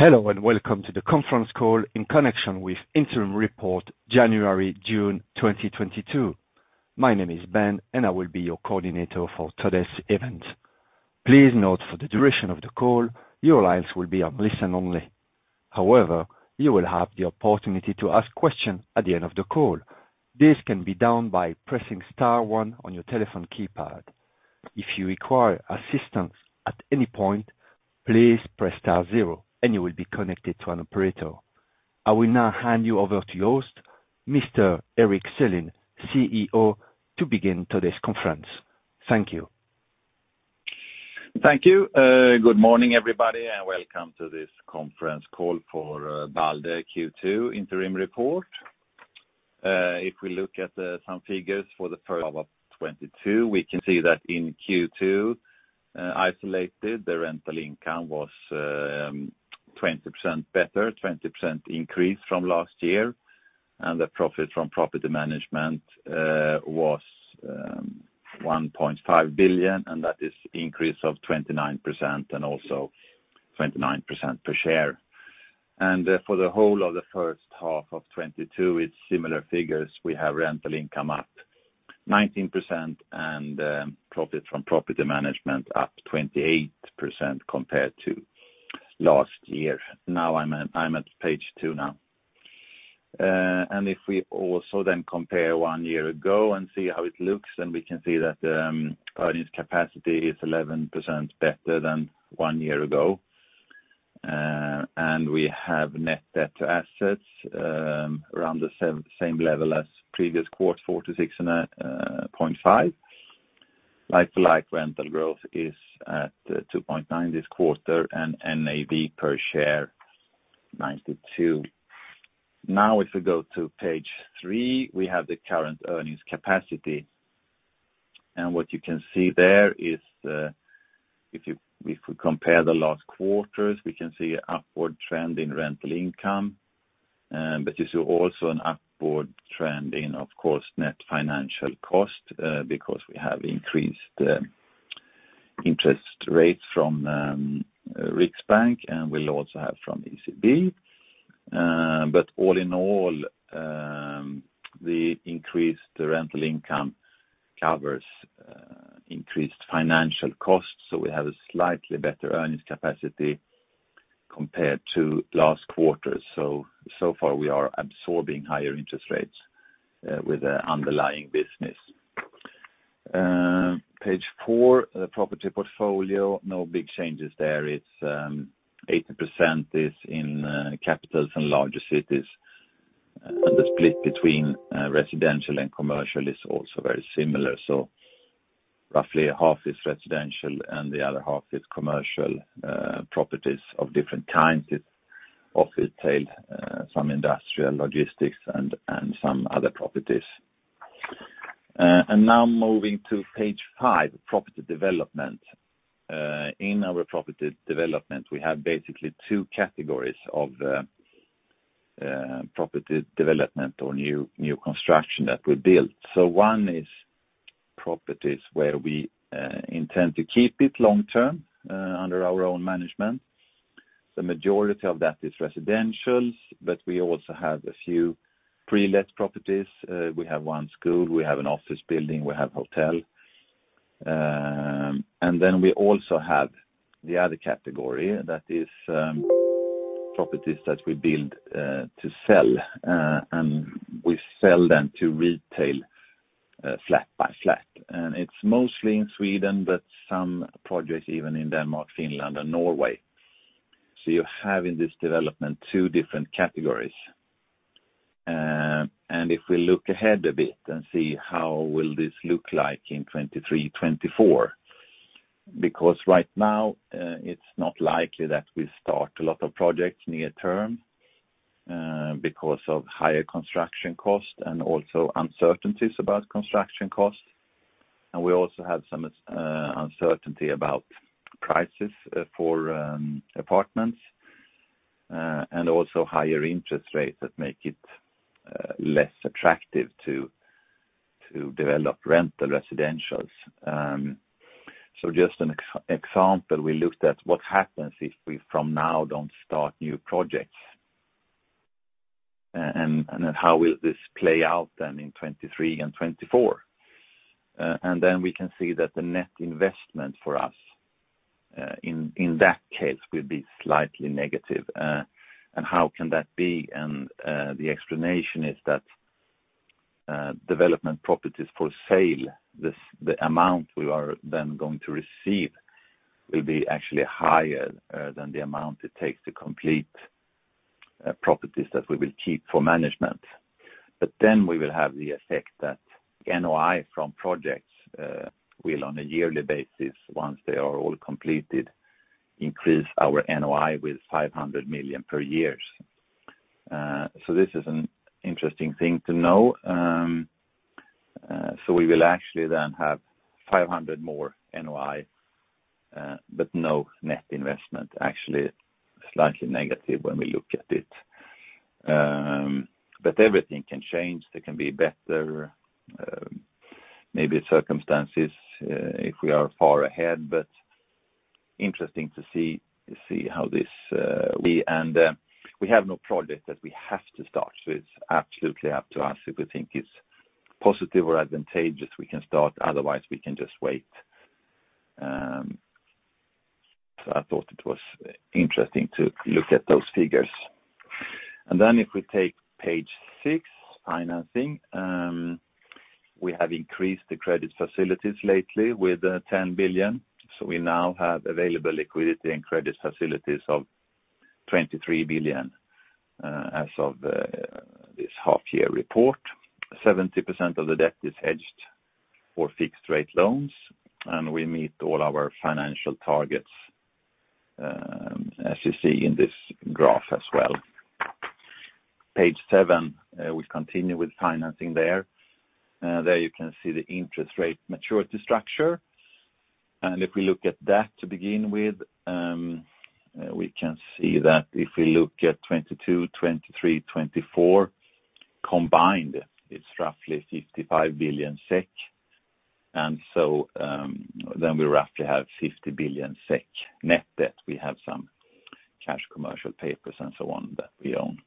Hello, welcome to the conference call in connection with interim report January-June 2022. My name is Ben, and I will be your coordinator for today's event. Please note for the duration of the call, your lines will be on listen only. However, you will have the opportunity to ask questions at the end of the call. This can be done by pressing star one on your telephone keypad. If you require assistance at any point, please press star zero, and you will be connected to an operator. I will now hand you over to your host, Mr. Erik Selin, CEO, to begin today's conference. Thank you. Thank you. Good morning, everybody, and welcome to this conference call for Balder Q2 interim report. If we look at some figures for the first half of 2022, we can see that in Q2, isolated, the rental income was 20% better, 20% increase from last year, and the profit from property management was 1.5 billion, and that is increase of 29% and also 29% per share. For the whole of the first half of 2022, it's similar figures. We have rental income up 19% and profit from property management up 28% compared to last year. Now I'm at page two. If we also then compare one year ago and see how it looks, we can see that the earnings capacity is 11% better than one year ago. We have net debt to assets around the same level as previous quarter, 46.5. Like-for-like rental growth is at 2.9% this quarter and NAV per share 92. Now if we go to page three, we have the current earnings capacity. What you can see there is, if we compare the last quarters, we can see an upward trend in rental income. You see also an upward trend in, of course, net financial cost, because we have increased interest rates from Riksbank and will also have from ECB. All in all, the increased rental income covers increased financial costs. We have a slightly better earnings capacity compared to last quarter. So far we are absorbing higher interest rates with the underlying business. Page four, the property portfolio, no big changes there. It's 80% is in capitals and larger cities. The split between residential and commercial is also very similar. Roughly half is residential and the other half is commercial properties of different kinds. It's office, retail, some industrial logistics and some other properties. Now moving to page five, property development. In our property development, we have basically two categories of property development or new construction that we build. One is properties where we intend to keep it long-term under our own management. The majority of that is residential, but we also have a few prelet properties. We have one school, we have an office building, we have hotel. We also have the other category that is properties that we build to sell, and we sell them to retail flat by flat. It's mostly in Sweden, but some projects even in Denmark, Finland and Norway. You have in this development two different categories. If we look ahead a bit and see how will this look like in 2023, 2024. Because right now, it's not likely that we start a lot of projects near-term, because of higher construction costs and also uncertainties about construction costs. We also have some uncertainty about prices for apartments and also higher interest rates that make it less attractive to develop rental residentials. Just an example, we looked at what happens if we from now don't start new projects and how will this play out then in 2023 and 2024. We can see that the net investment for us in that case will be slightly negative. How can that be? The explanation is that development properties for sale, the amount we are then going to receive will be actually higher than the amount it takes to complete properties that we will keep for management. We will have the effect that NOI from projects will on a yearly basis, once they are all completed, increase our NOI by 500 million per year. This is an interesting thing to know. We will actually then have 500 million more NOI, but no net investment, actually slightly negative when we look at it. Everything can change. There can be better, maybe circumstances, if we are far ahead, but interesting to see how this be. We have no project that we have to start. It's absolutely up to us if we think it's positive or advantageous, we can start, otherwise we can just wait. I thought it was interesting to look at those figures. If we take page six, financing, we have increased the credit facilities lately with 10 billion. We now have available liquidity and credit facilities of 23 billion as of this half year report. 70% of the debt is hedged for fixed rate loans, and we meet all our financial targets as you see in this graph as well. Page seven, we continue with financing there. There you can see the interest rate maturity structure. If we look at that to begin with, we can see that if we look at 2022, 2023, 2024 combined, it's roughly 55 billion SEK. We roughly have 50 billion SEK net debt. We have some cash commercial papers and so on that we own.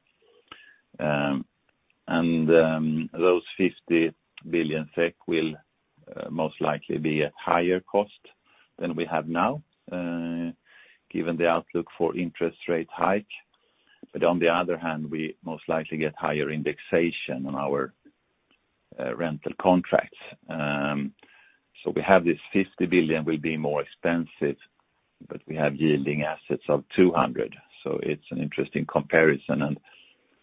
Those 50 billion SEK will most likely be at higher cost than we have now, given the outlook for interest rate hike. On the other hand, we most likely get higher indexation on our rental contracts. We have this 50 billion will be more expensive, but we have yielding assets of 200 billion. It's an interesting comparison.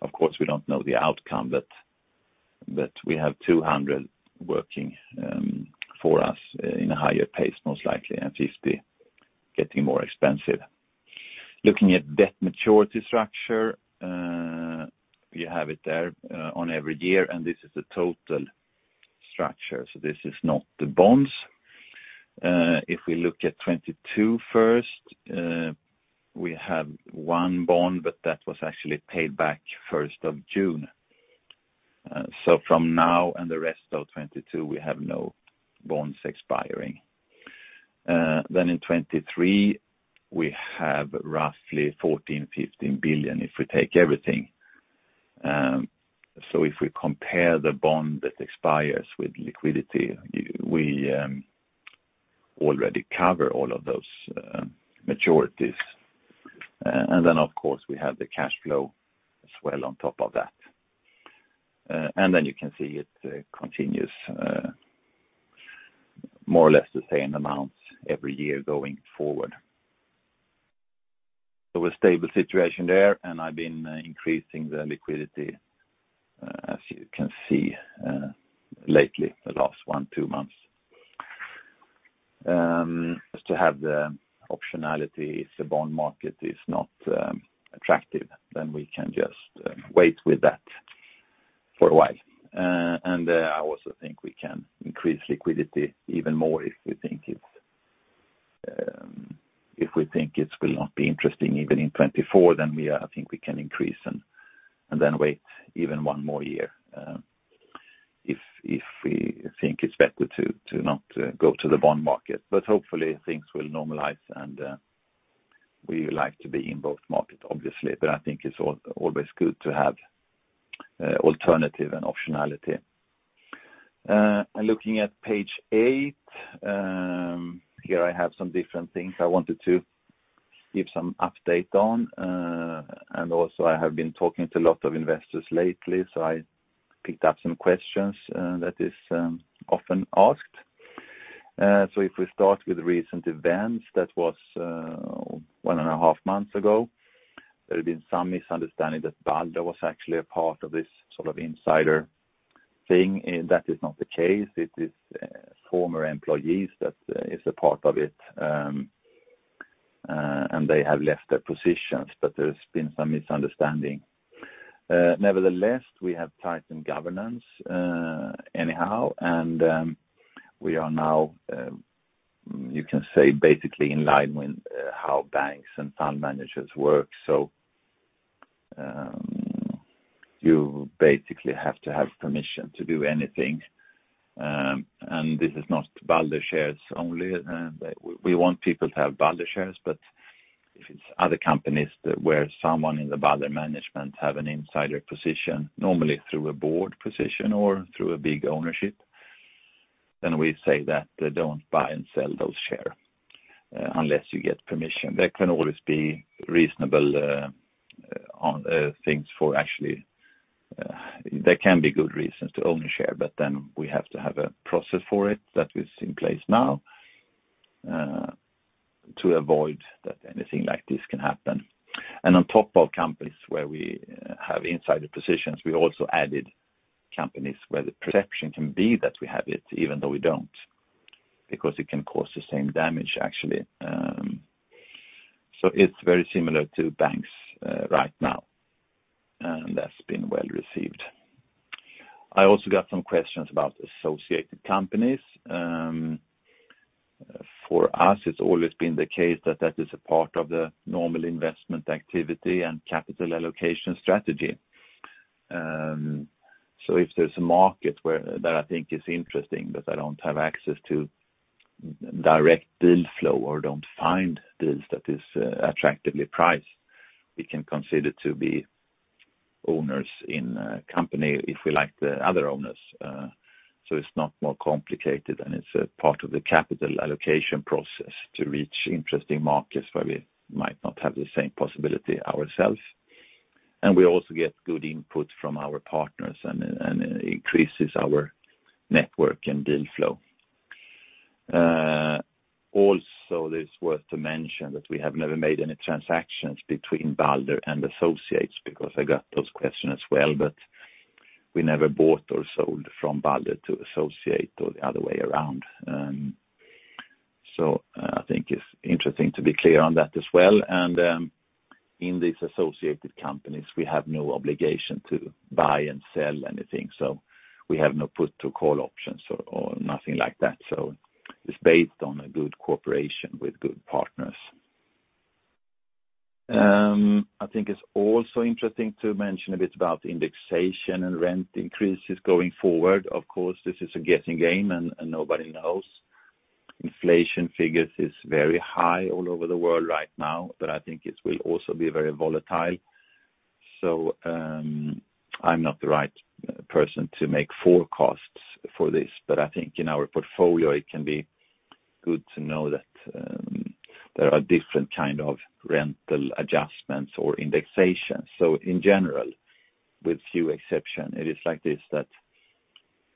Of course, we don't know the outcome, but we have 200 billion working for us in a higher pace, most likely, and 50 billion getting more expensive. Looking at debt maturity structure, you have it there on every year, and this is the total structure. This is not the bonds. If we look at 2022 first, we have one bond, but that was actually paid back first of June. From now and the rest of 2022, we have no bonds expiring. In 2023, we have roughly 14-15 billion if we take everything. If we compare the bond that expires with liquidity, we already cover all of those maturities. Of course, we have the cash flow as well on top of that. You can see it continues, more or less the same amounts every year going forward. A stable situation there, and I've been increasing the liquidity, as you can see, lately, the last 1-2 months. Just to have the optionality if the bond market is not attractive, we can just wait with that for a while. I also think we can increase liquidity even more if we think it will not be interesting even in 2024, then I think we can increase and then wait even one more year, if we think it's better to not go to the bond market. Hopefully things will normalize and we like to be in both markets obviously, but I think it's always good to have alternative and optionality. Looking at page eight, here I have some different things I wanted to give some update on. Also I have been talking to a lot of investors lately, so I picked up some questions that is often asked. If we start with recent events, that was one and a half months ago. There had been some misunderstanding that Balder was actually a part of this sort of insider thing. That is not the case. It is former employees that is a part of it, and they have left their positions, but there's been some misunderstanding. Nevertheless, we have tightened governance anyhow, and we are now you can say basically in line with how banks and fund managers work. You basically have to have permission to do anything. This is not Balder shares only. We want people to have Balder shares, but if it's other companies that where someone in the Balder management have an insider position, normally through a board position or through a big ownership, then we say that they don't buy and sell those share unless you get permission. There can be good reasons to own a share, but then we have to have a process for it that is in place now to avoid that anything like this can happen. On top of companies where we have insider positions, we also added companies where the perception can be that we have it even though we don't, because it can cause the same damage actually. It's very similar to banks right now, and that's been well received. I also got some questions about associated companies. For us, it's always been the case that is a part of the normal investment activity and capital allocation strategy. If there's a market that I think is interesting, but I don't have access to direct deal flow or don't find deals that is attractively priced, we can consider to be owners in a company if we like the other owners. It's not more complicated, and it's a part of the capital allocation process to reach interesting markets where we might not have the same possibility ourselves. We also get good input from our partners and increases our network and deal flow. It's worth to mention that we have never made any transactions between Balder and Associates, because I got those questions as well, but we never bought or sold from Balder to Associate or the other way around. I think it's interesting to be clear on that as well. In these associated companies, we have no obligation to buy and sell anything, so we have no put to call options or nothing like that. It's based on a good cooperation with good partners. I think it's also interesting to mention a bit about indexation and rent increases going forward. Of course, this is a guessing game and nobody knows. Inflation figures is very high all over the world right now, but I think it will also be very volatile. I'm not the right person to make forecasts for this. But I think in our portfolio, it can be good to know that there are different kind of rental adjustments or indexations. In general, with few exceptions, it is like this, that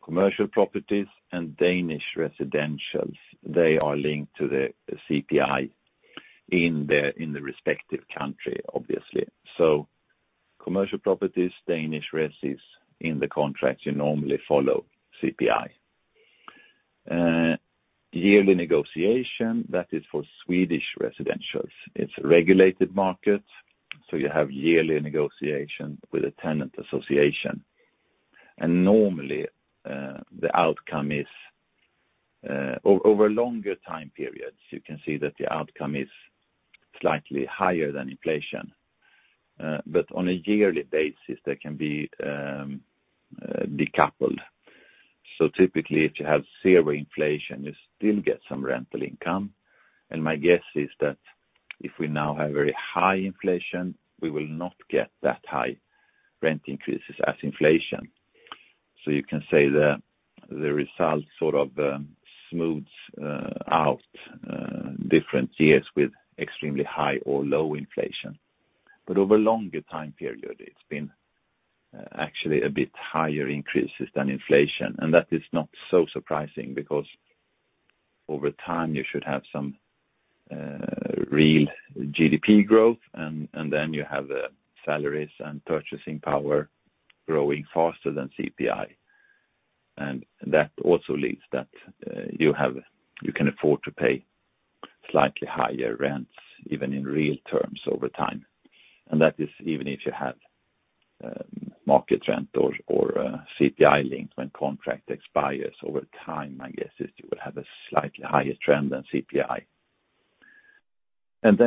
commercial properties and Danish residentials, they are linked to the CPI in the respective country, obviously. Commercial properties, Danish residentials, in the contracts, you normally follow CPI. Yearly negotiation, that is for Swedish residentials. It's a regulated market, so you have yearly negotiation with a tenant association. Normally, the outcome is, over longer time periods, you can see that the outcome is slightly higher than inflation. On a yearly basis, they can be decoupled. Typically, if you have zero inflation, you still get some rental income. My guess is that if we now have very high inflation, we will not get that high rent increases as inflation. You can say the results sort of smooths out different years with extremely high or low inflation. Over longer time period, it's been actually a bit higher increases than inflation. That is not so surprising because over time, you should have some real GDP growth, and then you have the salaries and purchasing power growing faster than CPI. That also leads that you can afford to pay slightly higher rents, even in real terms over time. That is even if you have market rent or CPI linked when contract expires over time, my guess is you will have a slightly higher trend than CPI.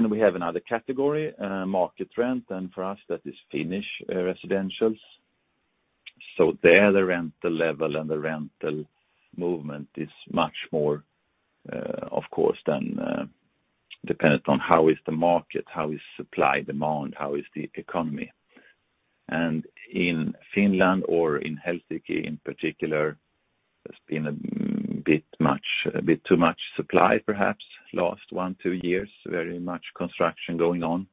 We have another category, market rent. For us, that is Finnish residentials. There, the rental level and the rental movement is much more, of course, than dependent on how is the market, how is supply, demand, how is the economy. In Finland or in Helsinki in particular, there's been a bit too much supply, perhaps, last 1-2 years, very much construction going on.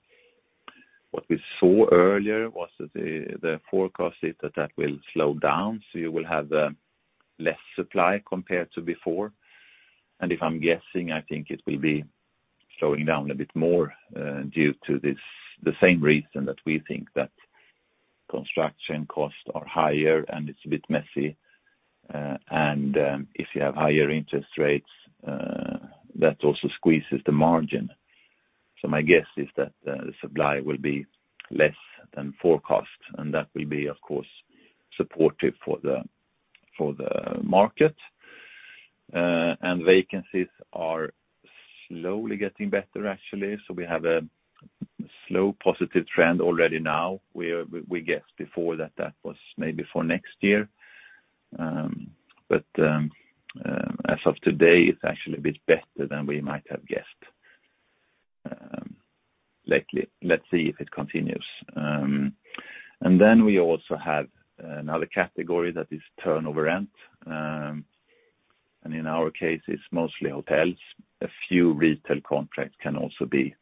What we saw earlier was that the forecast is that that will slow down, so you will have less supply compared to before. If I'm guessing, I think it will be slowing down a bit more due to the same reason that we think that construction costs are higher and it's a bit messy. If you have higher interest rates, that also squeezes the margin. My guess is that the supply will be less than forecast, and that will be, of course, supportive for the market. Vacancies are slowly getting better, actually. We have a slow positive trend already now, where we guessed before that was maybe for next year. As of today, it's actually a bit better than we might have guessed, lately. Let's see if it continues. We also have another category that is turnover rent. In our case, it's mostly hotels. A few retail contracts can also be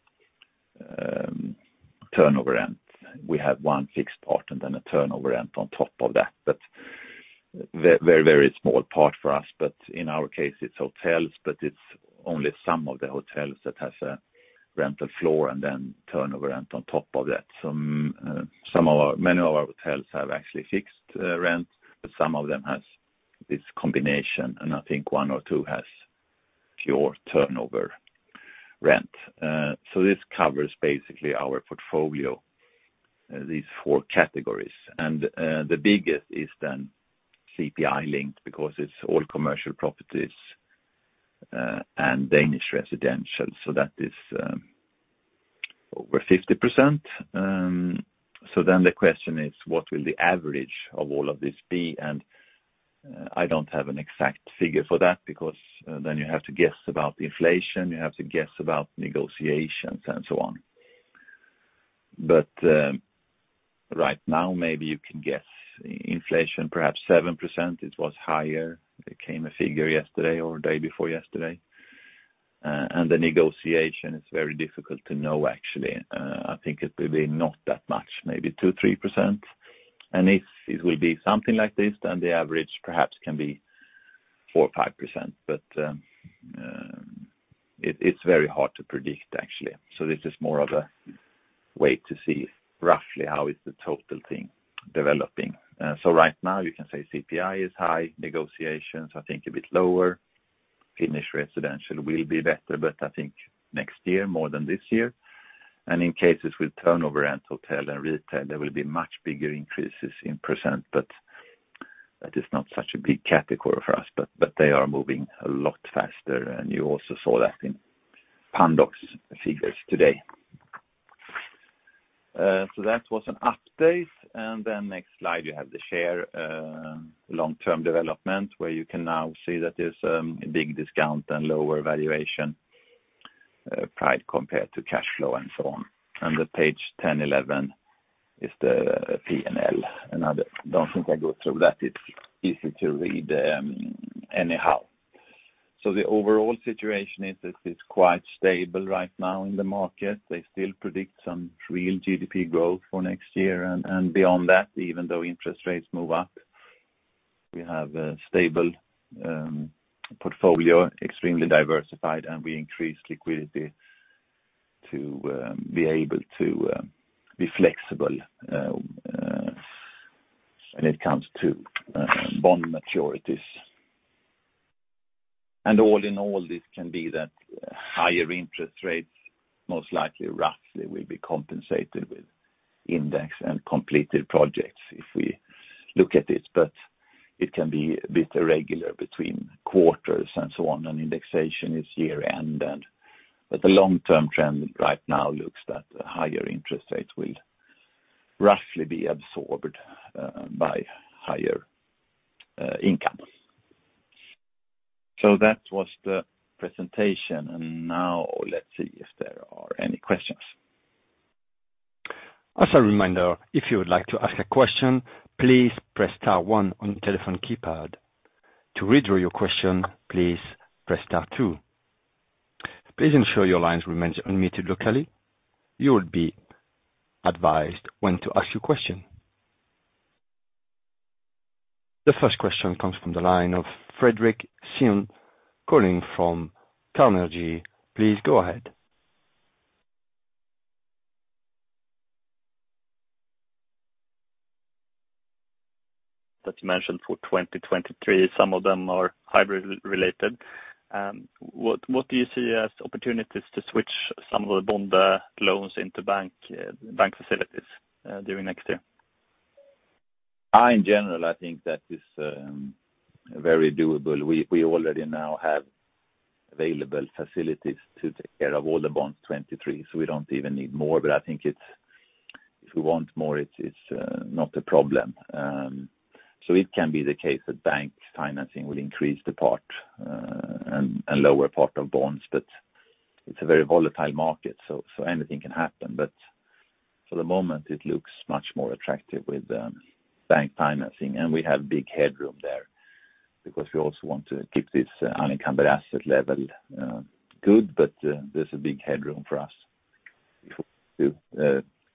turnover rent. We have one fixed part and then a turnover rent on top of that. Very small part for us. In our case, it's hotels, but it's only some of the hotels that has a rental floor and then turnover rent on top of that. Many of our hotels have actually fixed rent, but some of them has this combination, and I think one or two has pure turnover rent. This covers basically our portfolio. These four categories. The biggest is then CPI linked because it's all commercial properties and Danish residential. That is over 50%. The question is what will the average of all of this be? I don't have an exact figure for that because then you have to guess about the inflation, you have to guess about negotiations and so on. Right now, maybe you can guess inflation, perhaps 7%. It was higher. There came a figure yesterday or day before yesterday. The negotiation is very difficult to know actually. I think it will be not that much, maybe 2-3%. If it will be something like this, then the average perhaps can be 4-5%. It's very hard to predict actually. This is more of a way to see roughly how is the total thing developing. Right now you can say CPI is high. Negotiations, I think a bit lower. Finnish residential will be better, but I think next year more than this year. In cases with turnover and hotel and retail, there will be much bigger increases in percent. That is not such a big category for us. But they are moving a lot faster. You also saw that in Pandox figures today. That was an update. Then next slide, you have the share, long-term development where you can now see that there's a big discount and lower valuation, price compared to cash flow and so on. The page 10, 11 is the P&L. I don't think I go through that. It's easy to read, anyhow. The overall situation is this is quite stable right now in the market. They still predict some real GDP growth for next year. Beyond that, even though interest rates move up, we have a stable, portfolio, extremely diversified, and we increase liquidity to be able to be flexible, when it comes to bond maturities. All in all, this can be that higher interest rates most likely, roughly will be compensated with index and completed projects if we look at it. It can be a bit irregular between quarters and so on. Indexation is year-end. The long-term trend right now looks like higher interest rates will roughly be absorbed by higher income. That was the presentation. Now let's see if there are any questions. As a reminder, if you would like to ask a question, please press star one on your telephone keypad. To withdraw your question, please press star two. Please ensure your line remains unmuted locally. You will be advised when to ask your question. The first question comes from the line of Fredric Cyon, calling from Carnegie. Please go ahead. That you mentioned for 2023, some of them are hybrid related. What do you see as opportunities to switch some of the bond loans into bank facilities during next year? In general, I think that is very doable. We already now have available facilities to take care of all the bonds 2023, so we don't even need more. I think it's if we want more, it's not a problem. It can be the case that bank financing will increase the part and lower part of bonds, but it's a very volatile market, so anything can happen. For the moment, it looks much more attractive with bank financing. We have big headroom there because we also want to keep this unencumbered asset level good. There's a big headroom for us to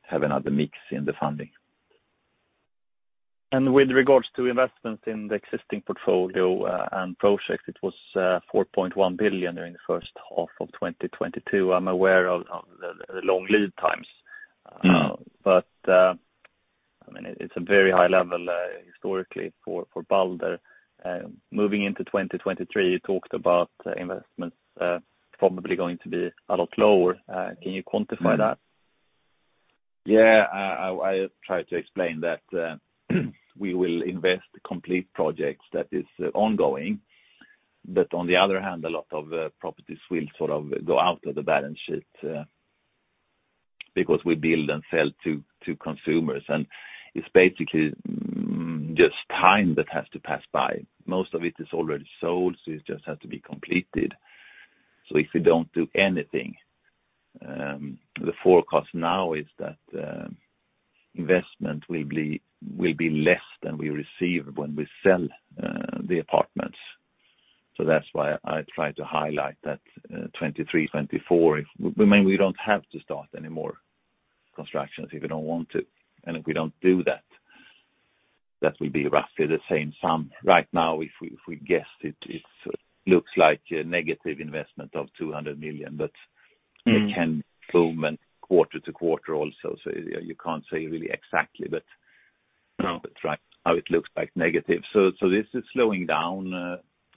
have another mix in the funding. With regards to investments in the existing portfolio and projects, it was 4.1 billion during the first half of 2022. I'm aware of the long lead times. Mm-hmm. I mean, it's a very high level historically for Balder. Moving into 2023, you talked about investments probably going to be a lot lower. Can you quantify that? Yeah. I tried to explain that we will invest complete projects that is ongoing. On the other hand, a lot of properties will sort of go out of the balance sheet because we build and sell to consumers. It's basically just time that has to pass by. Most of it is already sold, so it just has to be completed. If we don't do anything, the forecast now is that investment will be less than we receive when we sell the apartments. That's why I try to highlight that 2023, 2024. I mean, we don't have to start any more constructions if we don't want to. If we don't do that will be roughly the same sum. Right now, if we guessed it looks like a negative investment of 200 million. But it can boom on quarter-to-quarter also. You can't say really exactly. That's right. It looks like negative. This is slowing down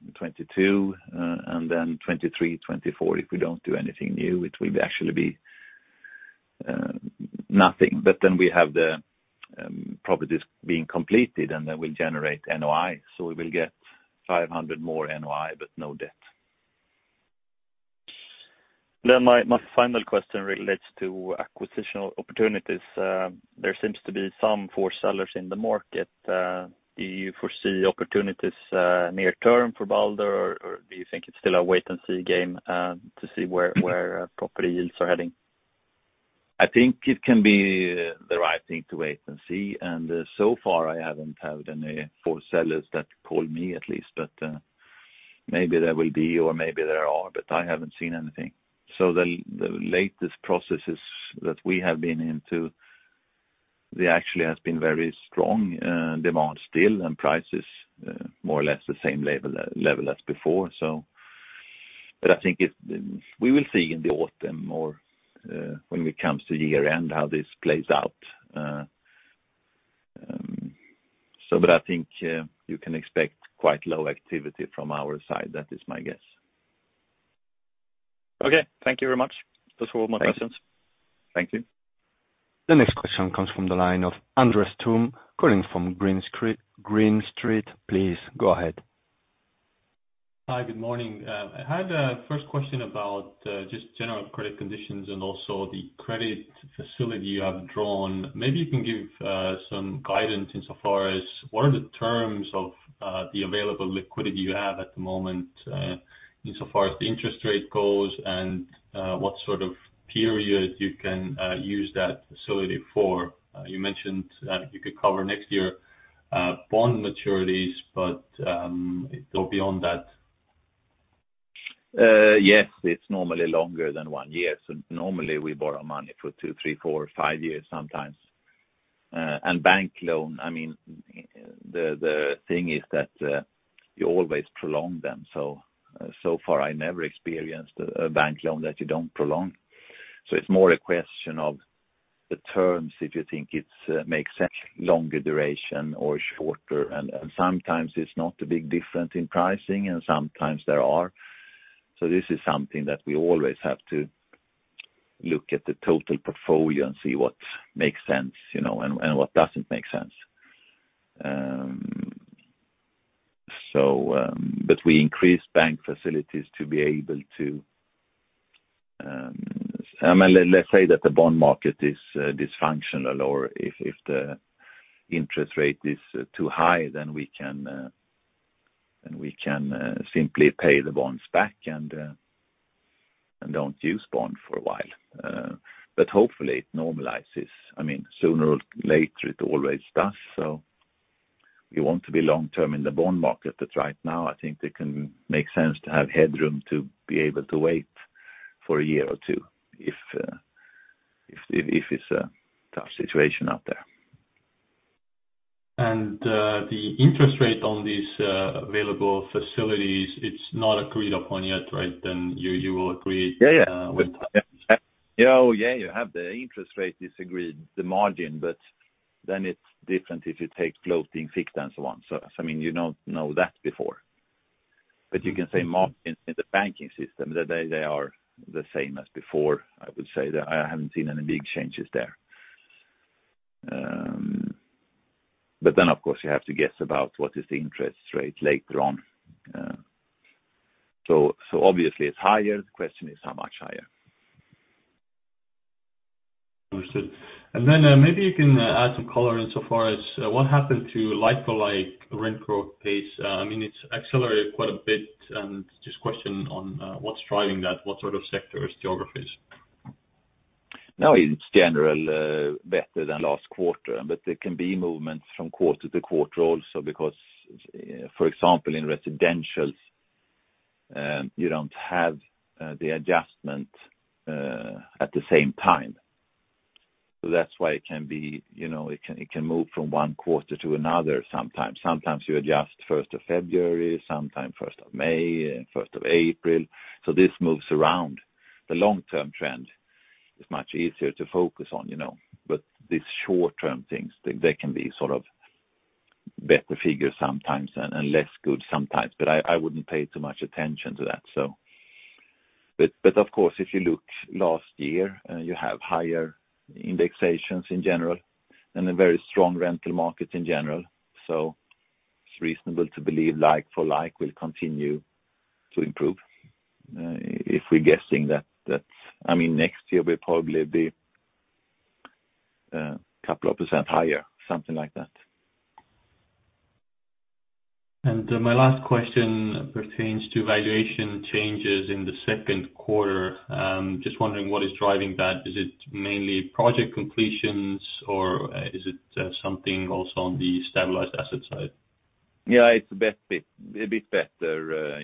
in 2022 and then 2023, 2024, if we don't do anything new, it will actually be nothing. Then we have the properties being completed, and that will generate NOI. We will get 500 million more NOI, but no debt. My final question relates to acquisitional opportunities. There seems to be some for sellers in the market. Do you foresee opportunities near term for Balder, or do you think it's still a wait-and-see game to see where property yields are heading? I think it can be the right thing to wait and see. So far I haven't had any forced sellers that call me at least, but maybe there will be or maybe there are, but I haven't seen anything. The latest processes that we have been into, they actually has been very strong demand still, and prices more or less the same level as before. We will see in the autumn or when it comes to year-end how this plays out. I think you can expect quite low activity from our side. That is my guess. Okay. Thank you very much. Those were all my questions. Thank you. The next question comes from the line of Andres Toome, calling from Green Street. Please go ahead. Hi, good morning. I had a first question about just general credit conditions and also the credit facility you have drawn. Maybe you can give some guidance in so far as what are the terms of the available liquidity you have at the moment, in so far as the interest rate goes and what sort of period you can use that facility for. You mentioned you could cover next year bond maturities, but go beyond that. Yes, it's normally longer than one year. Normally we borrow money for two, three, four, five years sometimes. Bank loan, I mean, the thing is that you always prolong them. So far I never experienced a bank loan that you don't prolong. It's more a question of the terms, if you think it makes sense, longer duration or shorter. Sometimes it's not a big difference in pricing, and sometimes there are. This is something that we always have to look at the total portfolio and see what makes sense, you know, and what doesn't make sense. We increase bank facilities to be able to... I mean, let's say that the bond market is dysfunctional or if the interest rate is too high, then we can simply pay the bonds back and don't use bond for a while. But hopefully it normalizes. I mean, sooner or later it always does. We want to be long-term in the bond market, but right now I think it can make sense to have headroom to be able to wait for a year or two if it's a tough situation out there. The interest rate on these available facilities, it's not agreed upon yet, right? You will agree Yeah, yeah. with time. Oh, yeah, you have the interest rate is agreed the margin, but then it's different if you take floating fixed and so on. I mean, you don't know that before. You can say in the banking system that they are the same as before, I would say. I haven't seen any big changes there. But then, of course, you have to guess about what is the interest rate later on. Obviously it's higher. The question is how much higher. Understood. Maybe you can add some color insofar as what happened to like-for-like rent growth pace. I mean, it's accelerated quite a bit. Just question on what's driving that, what sort of sectors, geographies? No, it's general, better than last quarter, but there can be movements from quarter-to-quarter also, because, for example, in residential, you don't have the adjustment at the same time. That's why it can be, you know, it can move from one quarter to another sometimes. Sometimes you adjust first of February, sometime first of May, first of April. This moves around. The long-term trend is much easier to focus on, you know. These short-term things, they can be sort of better figures sometimes and less good sometimes. I wouldn't pay too much attention to that, so. Of course, if you look last year, you have higher indexations in general and a very strong rental market in general. It's reasonable to believe like for like will continue to improve. If we're guessing that, I mean, next year will probably be a couple of percent higher, something like that. My last question pertains to valuation changes in the second quarter. Just wondering what is driving that. Is it mainly project completions or is it something also on the stabilized asset side? Yeah, it's a bit better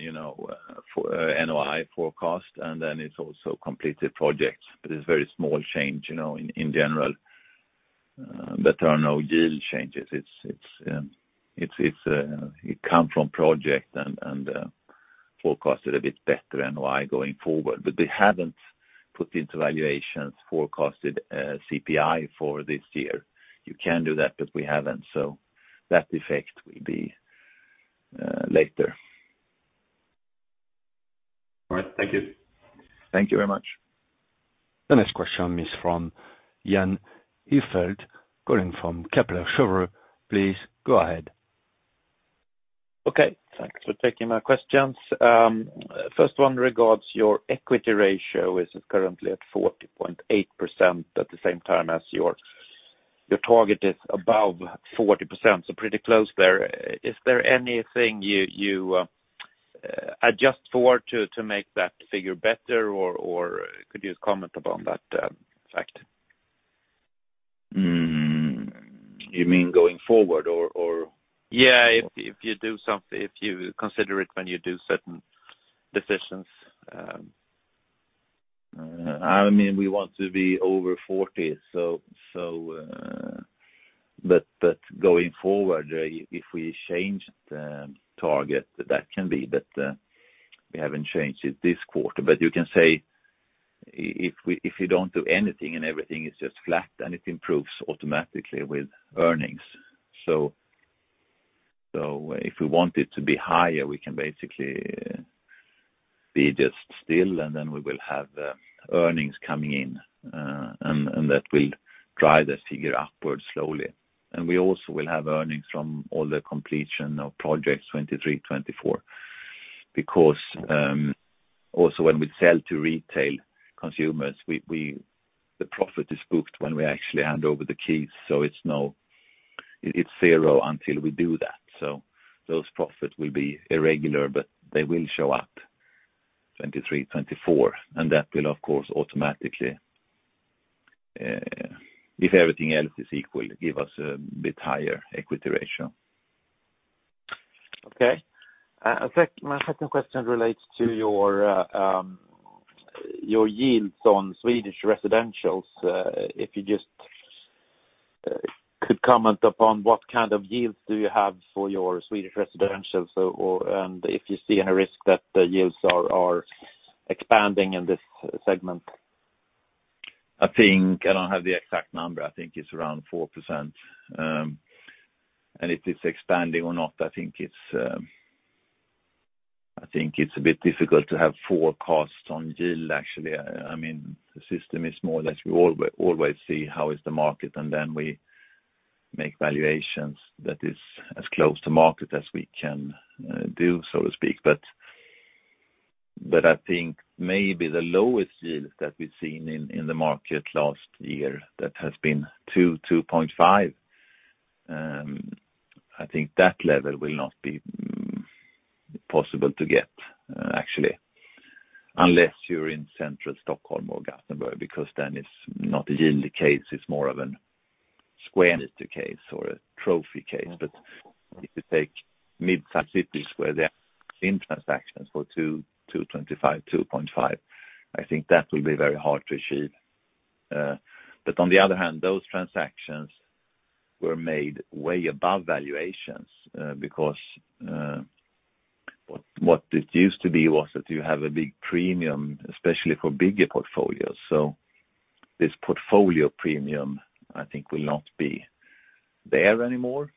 for NOI forecast, and then it's also completed projects. It's very small change in general. There are no yield changes. It comes from projects and forecasted a bit better NOI going forward, but they haven't put into valuations forecasted CPI for this year. You can do that, but we haven't. That effect will be later. All right. Thank you. Thank you very much. The next question is from Jan Ihrfelt, calling from Kepler Cheuvreux. Please go ahead. Okay. Thanks for taking my questions. First one regards your equity ratio, which is currently at 40.8% at the same time as your target is above 40%, so pretty close there. Is there anything you adjust for to make that figure better or could you comment upon that fact? You mean going forward or? Yeah. If you consider it when you do certain decisions. I mean, we want to be over 40%. Going forward, if we change the target, that can be. We haven't changed it this quarter. You can say if we, if you don't do anything and everything is just flat, then it improves automatically with earnings. If we want it to be higher, we can basically be just still, and then we will have earnings coming in, and that will drive the figure upward slowly. We also will have earnings from all the completion of projects 2023, 2024. Because also when we sell to retail consumers, the profit is booked when we actually hand over the keys, so it's zero until we do that. Those profits will be irregular, but they will show up 2023, 2024, and that will of course automatically, if everything else is equal, give us a bit higher equity ratio. My second question relates to your yields on Swedish residentials. If you just could comment upon what kind of yields do you have for your Swedish residentials or and if you see any risk that the yields are expanding in this segment. I think I don't have the exact number. I think it's around 4%. If it's expanding or not, I think it's a bit difficult to have forecasts on yield, actually. I mean, the system is more or less, we always see how is the market, and then we make valuations that is as close to market as we can do, so to speak. I think maybe the lowest yield that we've seen in the market last year that has been 2.5%, I think that level will not be possible to get, actually, unless you're in central Stockholm or Gothenburg, because then it's not a yield case, it's more of a square meter case or a trophy case. If you take mid-sized cities where there have been transactions for 2.25%, 2.5%, I think that will be very hard to achieve. On the other hand, those transactions were made way above valuations, because what it used to be was that you have a big premium, especially for bigger portfolios. This portfolio premium, I think, will not be there anymore.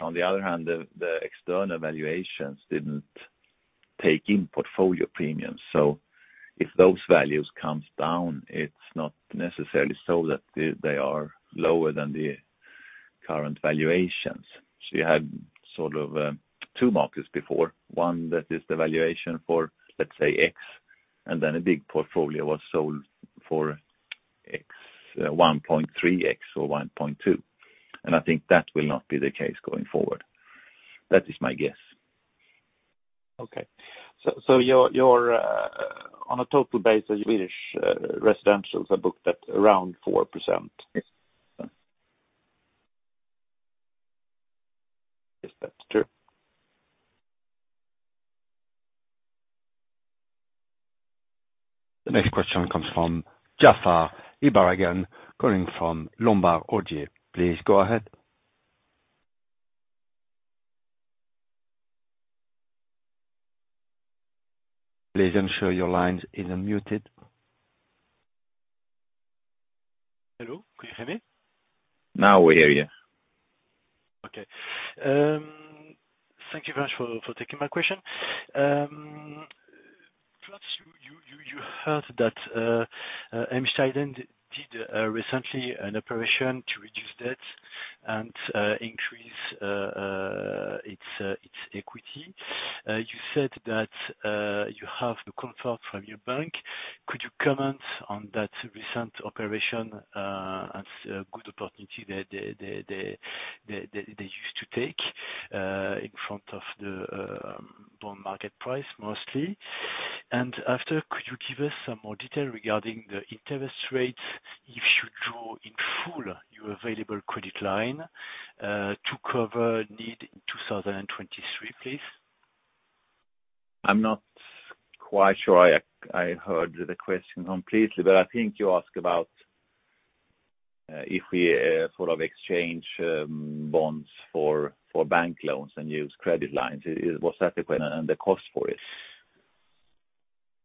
On the other hand, the external valuations didn't take in portfolio premiums. If those values comes down, it's not necessarily so that they are lower than the current valuations. You had sort of two markets before. One that is the valuation for, let's say, X, and then a big portfolio was sold for X, 1.3X or 1.2X. I think that will not be the case going forward. That is my guess. You're on a total basis, Swedish residentials are booked at around 4%. Yes, that's true. The next question comes from Jaafar Ibaraghen, calling from Lombard Odier. Please go ahead. Please ensure your line is unmuted. Hello, can you hear me? Now we hear you. Okay. Thank you very much for taking my question. First you heard that did recently an operation to reduce debt and increase its equity. You said that you have the contract from your bank. Could you comment on that recent operation as a good opportunity they used to take in front of the bond market price mostly? After, could you give us some more detail regarding the interest rates if you draw in full your available credit line to cover need in 2023, please? I'm not quite sure I heard the question completely, but I think you ask about if we sort of exchange bonds for bank loans and use credit lines, what's adequate and the cost for it?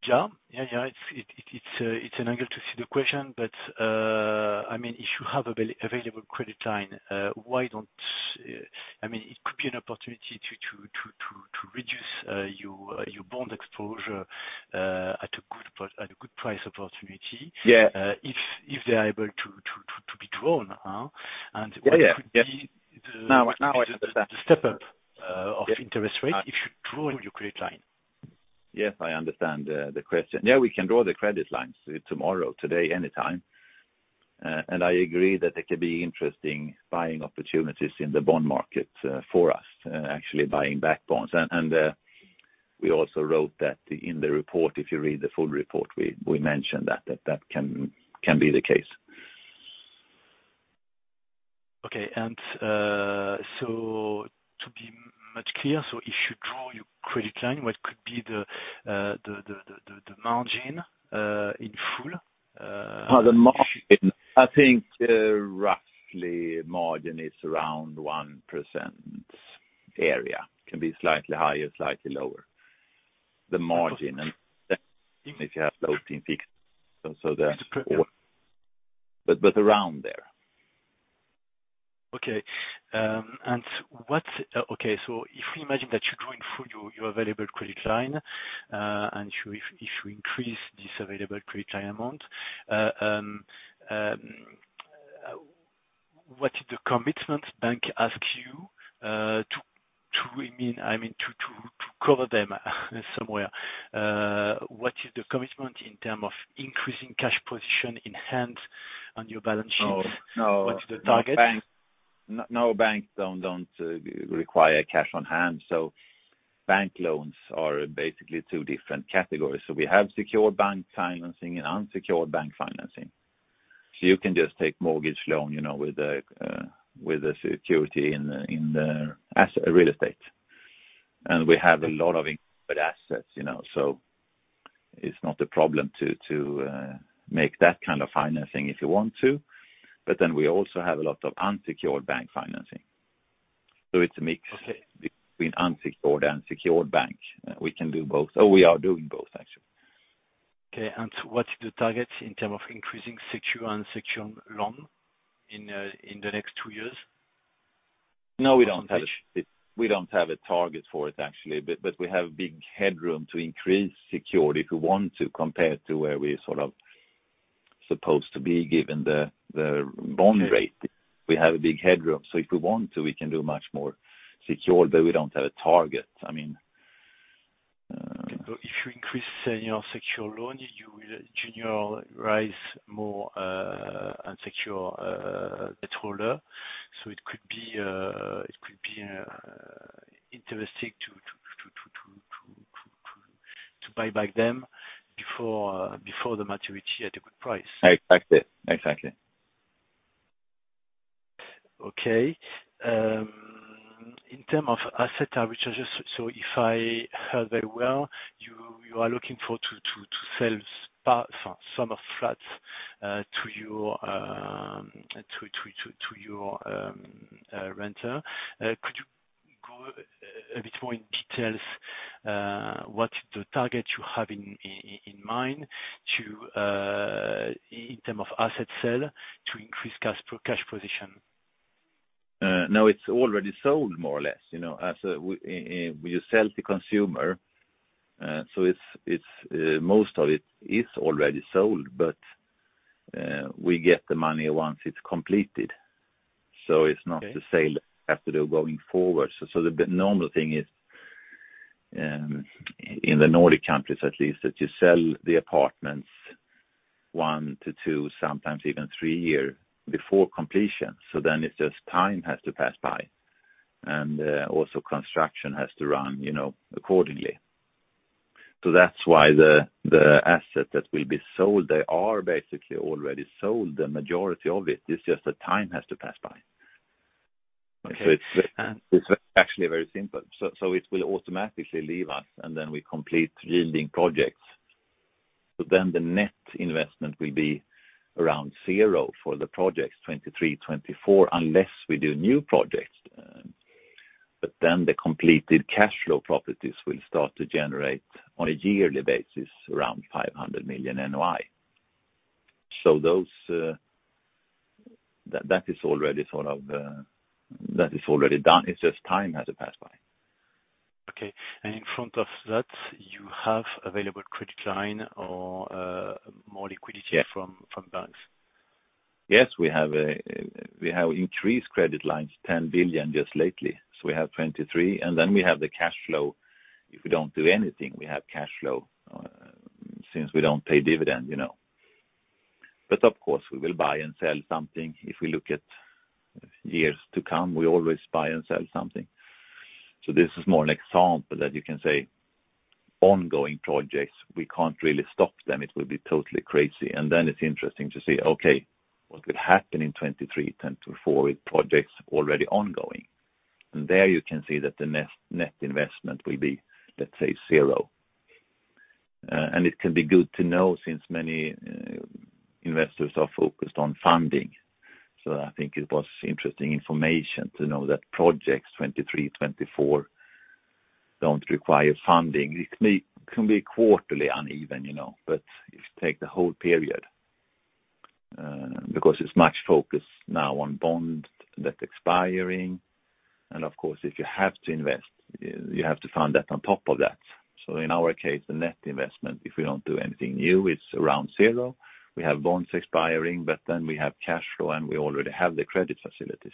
Yeah. It's an angle to see the question. I mean, if you have available credit line, why don't... I mean, it could be an opportunity to reduce your bond exposure at a good price opportunity. Yeah. If they are able to be drawn, huh? Yeah, yeah. Yep. It could be the Now I understand. the step-up Yeah. of interest rate if you draw your credit line. Yes, I understand the question. Yeah, we can draw the credit lines tomorrow, today, anytime. I agree that there could be interesting buying opportunities in the bond market, for us, actually buying back bonds. We also wrote that in the report, if you read the full report, we mentioned that that can be the case. Okay. To be much clearer, if you draw your credit line, what could be the margin in full? Oh, the margin. I think roughly margin is around 1% area. Can be slightly higher, slightly lower. The margin. Around there. If we imagine that you're going through your available credit line, and if you increase this available credit line amount, what is the commitment the bank asks you to, I mean, to cover them somewhere. What is the commitment in terms of increasing cash position in hand on your balance sheet? Oh, no. What's the target? No bank don't require cash on hand. Bank loans are basically two different categories. We have secured bank financing and unsecured bank financing. You can just take mortgage loan, you know, with a security in the real estate. We have a lot of included assets, you know, so it's not a problem to make that kind of financing if you want to. We also have a lot of unsecured bank financing. It's a mix. Okay. Between unsecured and secured bank. We can do both. We are doing both actually. What's the target in terms of increasing secured loan in the next two years? No, we don't have. We don't have a target for it actually, but we have big headroom to increase security if we want to, compared to where we're sort of supposed to be given the bond rate. We have a big headroom, so if we want to, we can do much more secure, but we don't have a target. I mean, If you increase your secured loan, you will generate more unsecured shareholder. It could be interesting to buy back them before the maturity at a good price. Exactly. In terms of assets, if I heard very well, you are looking forward to sell some flats to your renter. Could you go a bit more into details, what the target you have in mind in terms of asset sale to increase cash position? Now it's already sold more or less, you know. We sell to consumer, so most of it is already sold, but we get the money once it's completed. Okay. It's not the sale after they're going forward. The normal thing is, in the Nordic countries at least, that you sell the apartments 1-2, sometimes even 3 year before completion. Then it's just time has to pass by. Also construction has to run, you know, accordingly. That's why the asset that will be sold, they are basically already sold, the majority of it. It's just the time has to pass by. Okay. It's actually very simple. It will automatically leave us, and then we complete yielding projects. The net investment will be around zero for the projects 2023, 2024, unless we do new projects. The completed cash flow properties will start to generate on a yearly basis around 500 million NOI. Those that is already sort of done. It's just time has to pass by. Okay. In front of that, you have available credit line or more liquidity Yeah. from banks. Yes, we have increased credit lines 10 billion just lately. We have 23 billion. We have the cash flow. If we don't do anything, we have cash flow since we don't pay dividend, you know. Of course, we will buy and sell something. If we look at years to come, we always buy and sell something. This is more an example that you can say ongoing projects, we can't really stop them. It would be totally crazy. It's interesting to say, okay, what could happen in 2023, 2024 with projects already ongoing? There you can see that the net investment will be, let's say, zero. It can be good to know since many investors are focused on funding. I think it was interesting information to know that projects 2023, 2024 don't require funding. It can be quarterly uneven, you know, but if you take the whole period, because it's much focus now on bond that's expiring, and of course, if you have to invest, you have to fund that on top of that. In our case, the net investment, if we don't do anything new, it's around zero. We have bonds expiring, but then we have cash flow, and we already have the credit facilities.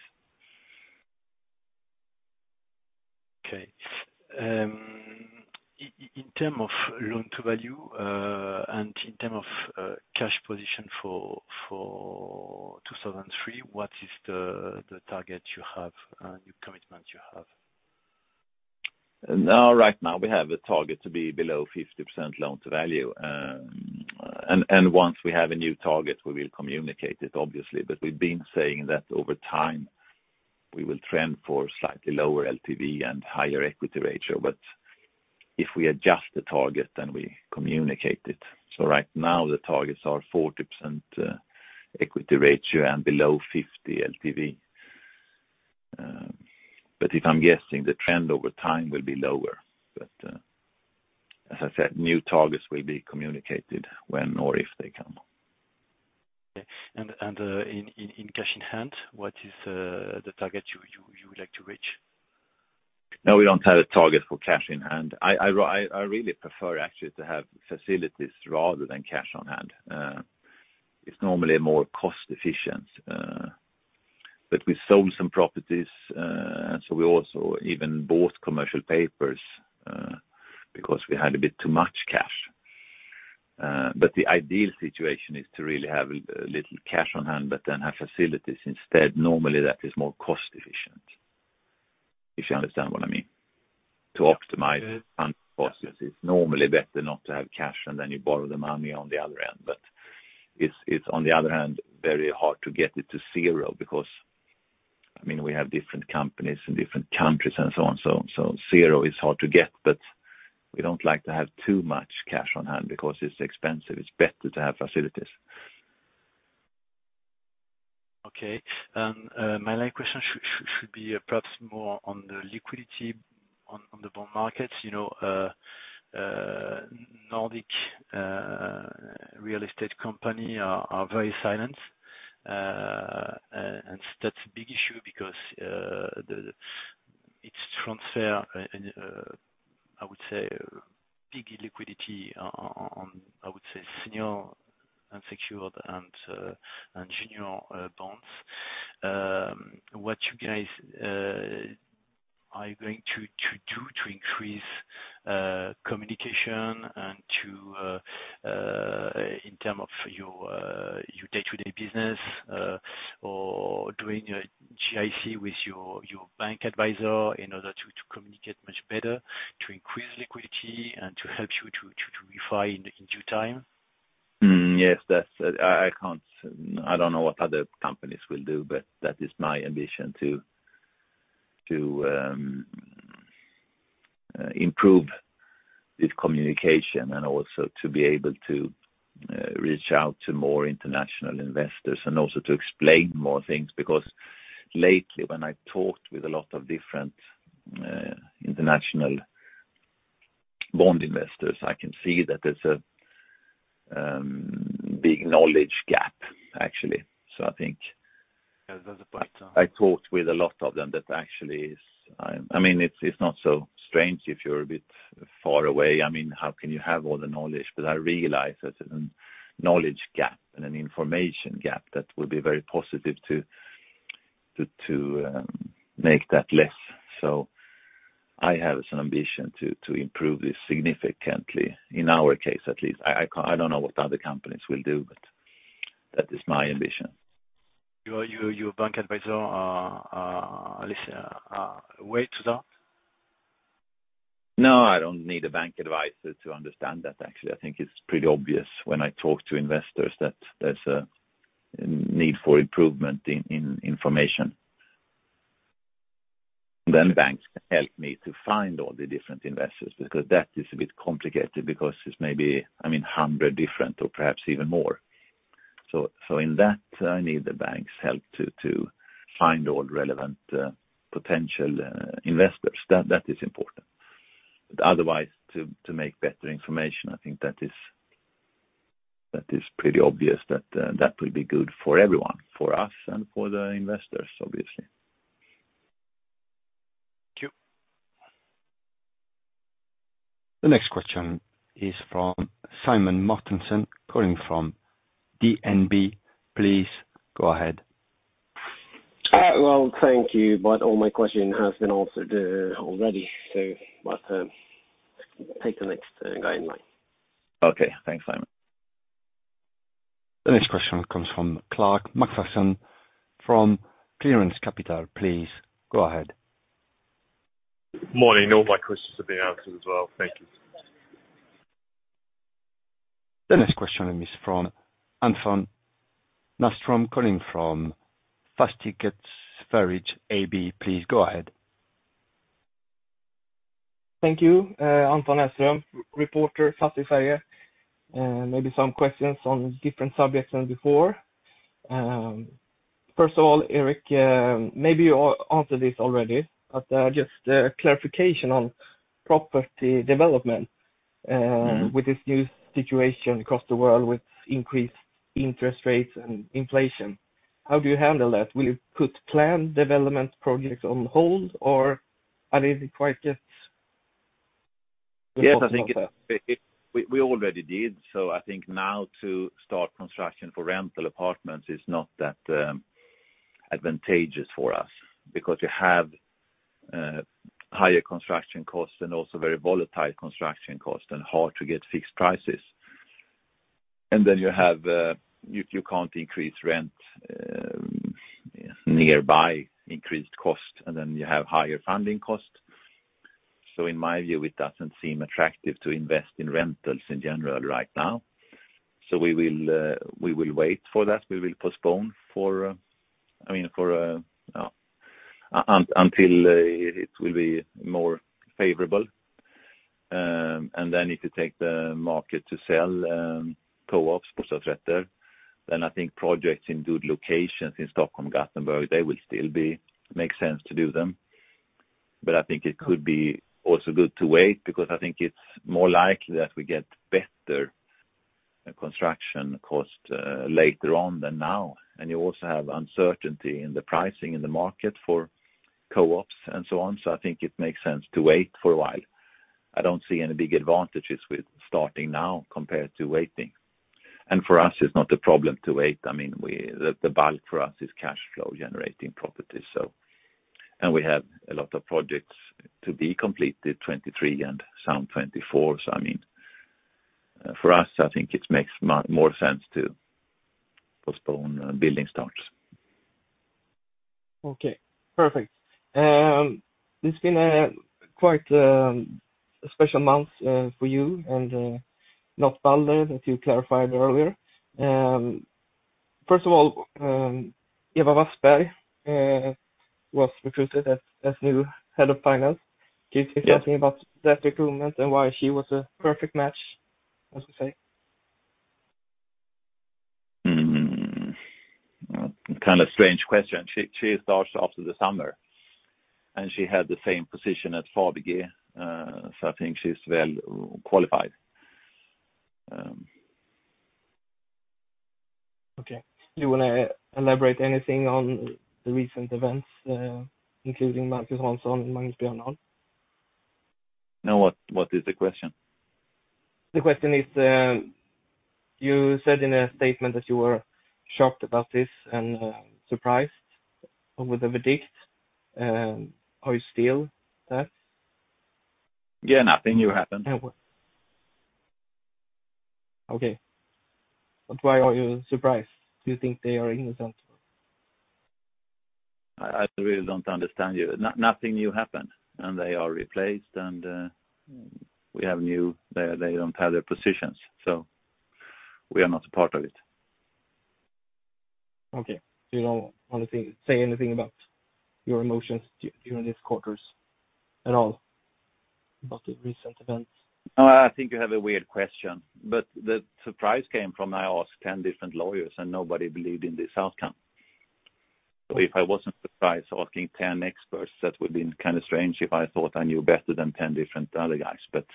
In terms of loan to value, and in terms of cash position for 2003, what is the target you have, new commitment you have? Right now we have a target to be below 50% loan-to-value. Once we have a new target, we will communicate it obviously. We've been saying that over time we will trend for slightly lower LTV and higher equity ratio. If we adjust the target, then we communicate it. Right now the targets are 40% equity ratio and below 50% LTV. If I'm guessing the trend over time will be lower. As I said, new targets will be communicated when or if they come. Okay. In cash in hand, what is the target you would like to reach? No, we don't have a target for cash in hand. I really prefer actually to have facilities rather than cash on hand. It's normally more cost efficient, but we sold some properties, and so we also even bought commercial papers, because we had a bit too much cash. The ideal situation is to really have a little cash on hand, but then have facilities instead. Normally, that is more cost efficient, if you understand what I mean. Yes. It's normally better not to have cash and then you borrow the money on the other end. It's on the other hand, very hard to get it to zero because, I mean, we have different companies in different countries and so on. Zero is hard to get, but we don't like to have too much cash on hand because it's expensive. It's better to have facilities. Okay. My line of question should be perhaps more on the liquidity on the bond markets. You know, Nordic real estate company are very silent. That's a big issue because the transfer and I would say big liquidity on senior unsecured and junior bonds. What you guys are you going to do to increase communication and to in terms of your day-to-day business or doing a GIC with your bank advisor in order to communicate much better, to increase liquidity and to help you to refi in due time? I don't know what other companies will do, but that is my ambition to improve this communication and also to be able to reach out to more international investors and also to explain more things. Because lately, when I talked with a lot of different international bond investors, I can see that there's a big knowledge gap actually. I think. Yeah. I talked with a lot of them. I mean, it's not so strange if you're a bit far away. I mean, how can you have all the knowledge? I realize there's a knowledge gap and an information gap that will be very positive to make that less. I have some ambition to improve this significantly in our case at least. I don't know what other companies will do, but that is my ambition. Your bank advisor list a way to that? No, I don't need a bank advisor to understand that actually. I think it's pretty obvious when I talk to investors that there's a need for improvement in information. Banks help me to find all the different investors because that is a bit complicated because it's maybe, I mean, 100 different or perhaps even more. In that, I need the bank's help to find all relevant potential investors. That is important. Otherwise, to make better information, I think that is pretty obvious that that will be good for everyone, for us and for the investors obviously. Thank you. The next question is from Simen Mortensen calling from DNB. Please go ahead. Well, thank you, but all my question has been answered already. Take the next guy in line. Okay. Thanks, Simen. The next question comes from Clark McPherson from Clearance Capital. Please go ahead. Morning. All my questions have been answered as well. Thank you. The next question is from [Anton Näslund] calling from [Fastighetsverket AB]. Please go ahead. Thank you. [Anton Näslund], reporter, maybe some questions on different subjects than before. First of all, Erik, maybe you answered this already, but just a clarification on property development. Mm-hmm. With this new situation across the world with increased interest rates and inflation. How do you handle that? Will you put planned development projects on hold, or are they quite just? Yes. We already did. I think now to start construction for rental apartments is not that advantageous for us because you have higher construction costs and also very volatile construction costs, and hard to get fixed prices. Then you can't increase rent in line with increased costs, and then you have higher funding costs. In my view, it doesn't seem attractive to invest in rentals in general right now. We will wait for that. We will postpone until it will be more favorable. If you take the market to sell co-ops, for some sector. And I think projects in good location, if they will still be makes sense to do them. But I think it's good to wait, because I think it's more likely as we get best term and construction cost later on than now. And we also have uncertainty in the pricing in the markets for co-ops and so on, so I think it makes sense to wait for a while. I don't see any big advantages with starting now compared to waiting. And for us, it's not a problem to wait, I mean we have a cash flow generating properties, and we have a lot of projects to be completed 2023 and some 2024. For us, I think it makes much more sense to pospone building projects. Okay, perfect. It's been a quite special month for you and not Balder, as you clarified earlier. First of all, Ewa Wassberg was recruited as new head of finance. Yeah. Can you say something about that recruitment and why she was a perfect match, as you say? Kind of strange question. She starts after the summer, and she had the same position at Fabege, so I think she's well qualified. Okay. Do you wanna elaborate anything on the recent events, including Marcus Hansson and Magnus Björndahl? No. What is the question? The question is, you said in a statement that you were shocked about this and, surprised with the verdict. Are you still that? Yeah. Nothing new happened. Okay. Why are you surprised? Do you think they are innocent? I really don't understand you. Nothing new happened, and they are replaced. They don't have their positions, so we are not a part of it. Okay. You don't wanna say anything about your emotions during these quarters at all about the recent events? No, I think you have a weird question, but the surprise came from I asked 10 different lawyers, and nobody believed in this outcome. If I wasn't surprised asking 10 experts, that would have been kind of strange if I thought I knew better than 10 different other guys, but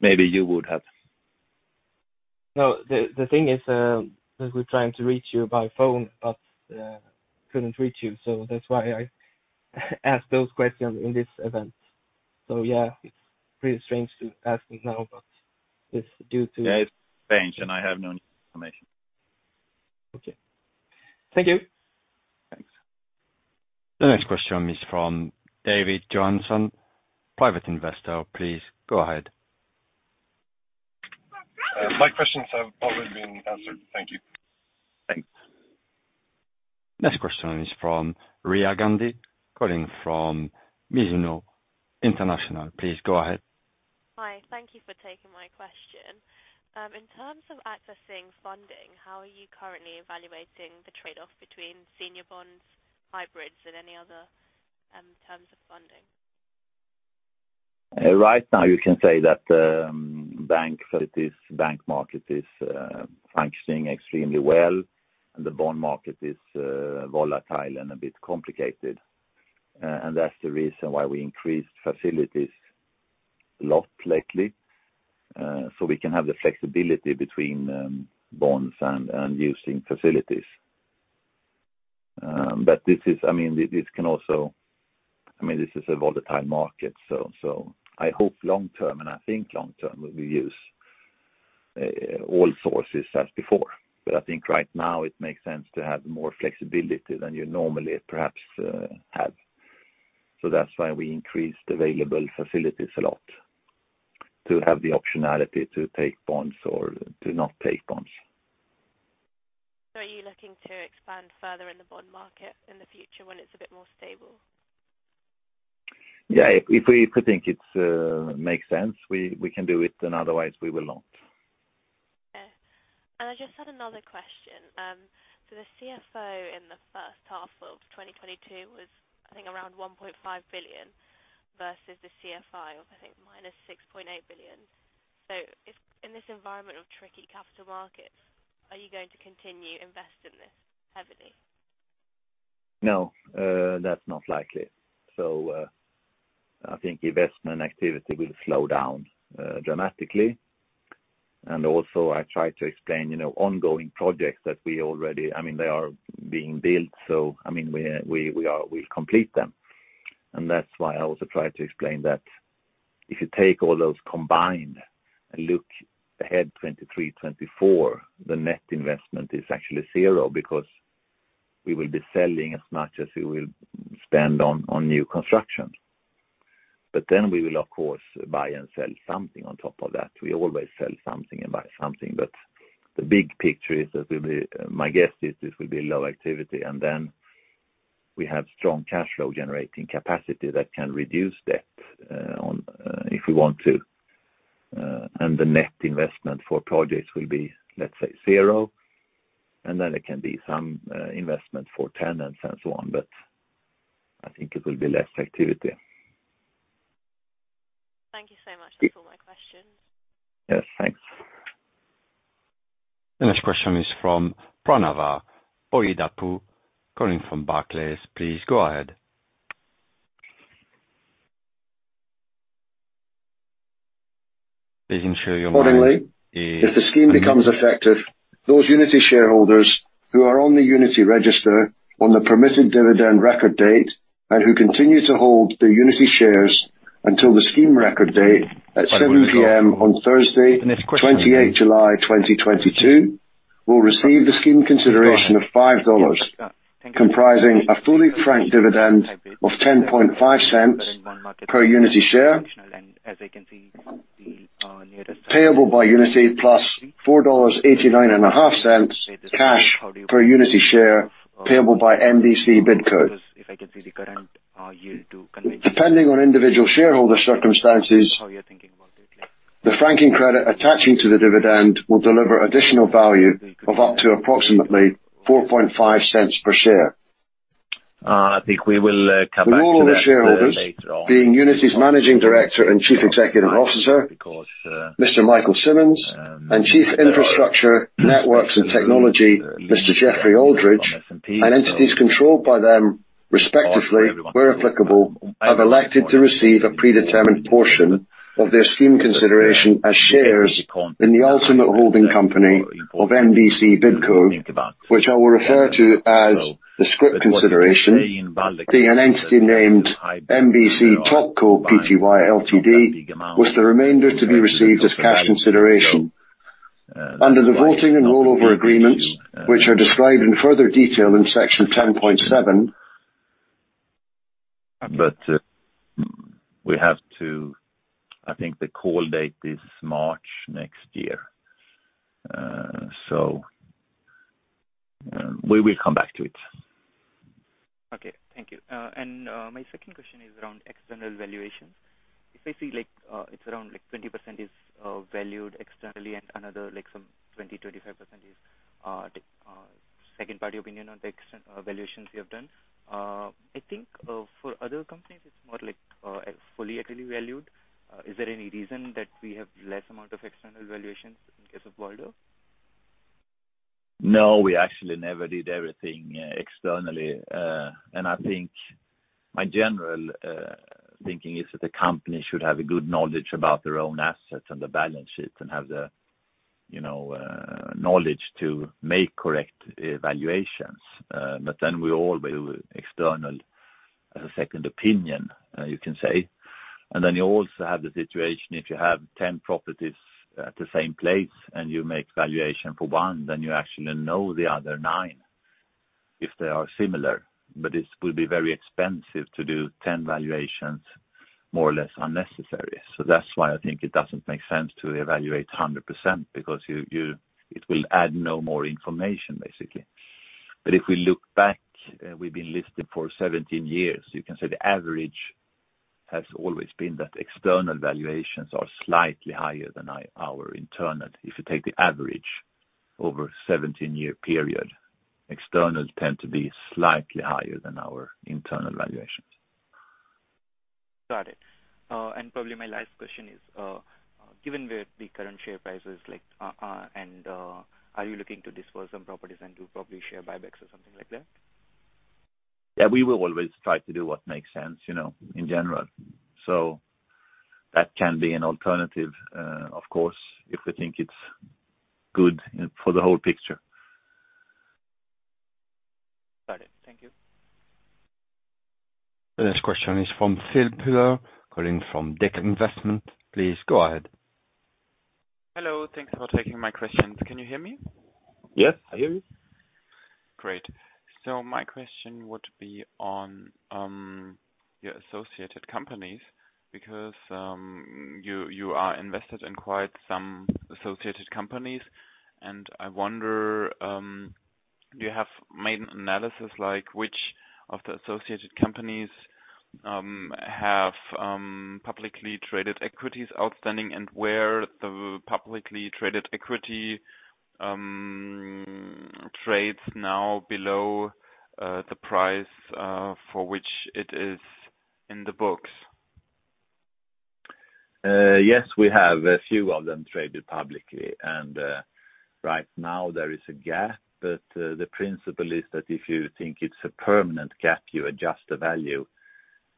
maybe you would have. No. The thing is that we're trying to reach you by phone, but couldn't reach you, so that's why I asked those questions in this event. Yeah, it's pretty strange to ask me now, but it's due to. Yeah, it's strange, and I have no new information. Okay. Thank you. Thanks. The next question is from David Johnson, Private Investor. Please go ahead. My questions have already been answered. Thank you. Thanks. Next question is from Ria Gandhi, calling from Mizuho International. Please go ahead. Hi. Thank you for taking my question. In terms of accessing funding, how are you currently evaluating the trade-off between senior bonds, hybrids, and any other terms of funding? Right now you can say that bank facilities, bank market is functioning extremely well, and the bond market is volatile and a bit complicated. That's the reason why we increased facilities a lot lately, so we can have the flexibility between bonds and using facilities. I mean, this is a volatile market, so I hope long term, and I think long term we will use all sources as before. I think right now it makes sense to have more flexibility than you normally perhaps have. That's why we increased available facilities a lot, to have the optionality to take bonds or to not take bonds. Are you looking to expand further in the bond market in the future when it's a bit more stable? Yeah. If we think it makes sense, we can do it, and otherwise we will not. I just had another question. The CFO in the first half of 2022 was, I think, around 1.5 billion versus the CFI of, I think, -6.8 billion. If in this environment of tricky capital markets, are you going to continue investing this heavily? No, that's not likely. I think investment activity will slow down dramatically. I tried to explain, you know, ongoing projects that we already I mean, they are being built, so, I mean, we'll complete them. That's why I also tried to explain that if you take all those combined and look ahead 2023, 2024, the net investment is actually zero because we will be selling as much as we will spend on new construction. Then we will of course buy and sell something on top of that. We always sell something and buy something. The big picture is that my guess is this will be low activity, and then we have strong cash flow generating capacity that can reduce debt and if we want to. The net investment for projects will be, let's say, 0, and then it can be some investment for tenants and so on. I think it will be less activity. Thank you so much. That's all my questions. Yes, thanks. The next question is from Pranava Boyidapu, calling from Barclays. Please go ahead. Please ensure your line is unmuted. Accordingly, if the scheme becomes effective, those Uniti shareholders who are on the Uniti register on the permitted dividend record date and who continue to hold the Uniti shares until the scheme record date at 7 P.M. on Thursday, 28 July 2022, will receive the scheme consideration of $5, comprising a fully frank dividend of 10.5 cents per Uniti share. Payable by Uniti plus $4.895 cash per Uniti share payable by MBC BidCo. Depending on individual shareholder circumstances. The franking credit attaching to the dividend will deliver additional value of up to approximately $0.045 per share. I think we will come back to that later on. The rollover shareholders, being Uniti's managing director and chief executive officer, Mr. Michael Simmons, and Chief of Infrastructure Networks & Technology, Mr. Geoffrey Aldridge, and entities controlled by them respectively, where applicable, have elected to receive a predetermined portion of their scheme consideration as shares in the ultimate holding company of MBC BidCo, which I will refer to as the scrip consideration, being an entity named MBC TopCo Pty Ltd, with the remainder to be received as cash consideration. Under the voting and rollover agreements, which are described in further detail in section 10.7. I think the call date is March next year. We will come back to it. Okay. Thank you. My second question is around external valuations. If I see like, it's around like 20% is valued externally and another like some 20-25% is second party opinion on the external valuations we have done. I think, for other companies, it's more like fully externally valued. Is there any reason that we have less amount of external valuations in case of Balder? No, we actually never did everything externally. I think my general thinking is that the company should have a good knowledge about their own assets and the balance sheet and have the, you know, knowledge to make correct evaluations. We all do external as a second opinion, you can say. You also have the situation, if you have 10 properties at the same place and you make valuation for one, then you actually know the other 9 if they are similar. It will be very expensive to do 10 valuations, more or less unnecessary. That's why I think it doesn't make sense to evaluate 100% because it will add no more information, basically. If we look back, we've been listed for 17 years. You can say the average has always been that external valuations are slightly higher than our internal. If you take the average over a 17-year period, externals tend to be slightly higher than our internal valuations. Got it. Probably my last question is, given the current share prices, like, are you looking to dispose some properties and do property share buybacks or something like that? Yeah, we will always try to do what makes sense, you know, in general. That can be an alternative, of course, if we think it's good for the whole picture. Got it. Thank you. The next question is from [Philip Pillar], calling from Deka Investment. Please go ahead. Hello. Thanks for taking my questions. Can you hear me? Yes, I hear you. Great. My question would be on your associated companies, because you are invested in quite some associated companies, and I wonder, do you have main analysis like which of the associated companies have publicly traded equities outstanding and where the publicly traded equity trades now below the price for which it is in the books. Yes, we have a few of them traded publicly, and right now there is a gap, but the principle is that if you think it's a permanent gap, you adjust the value,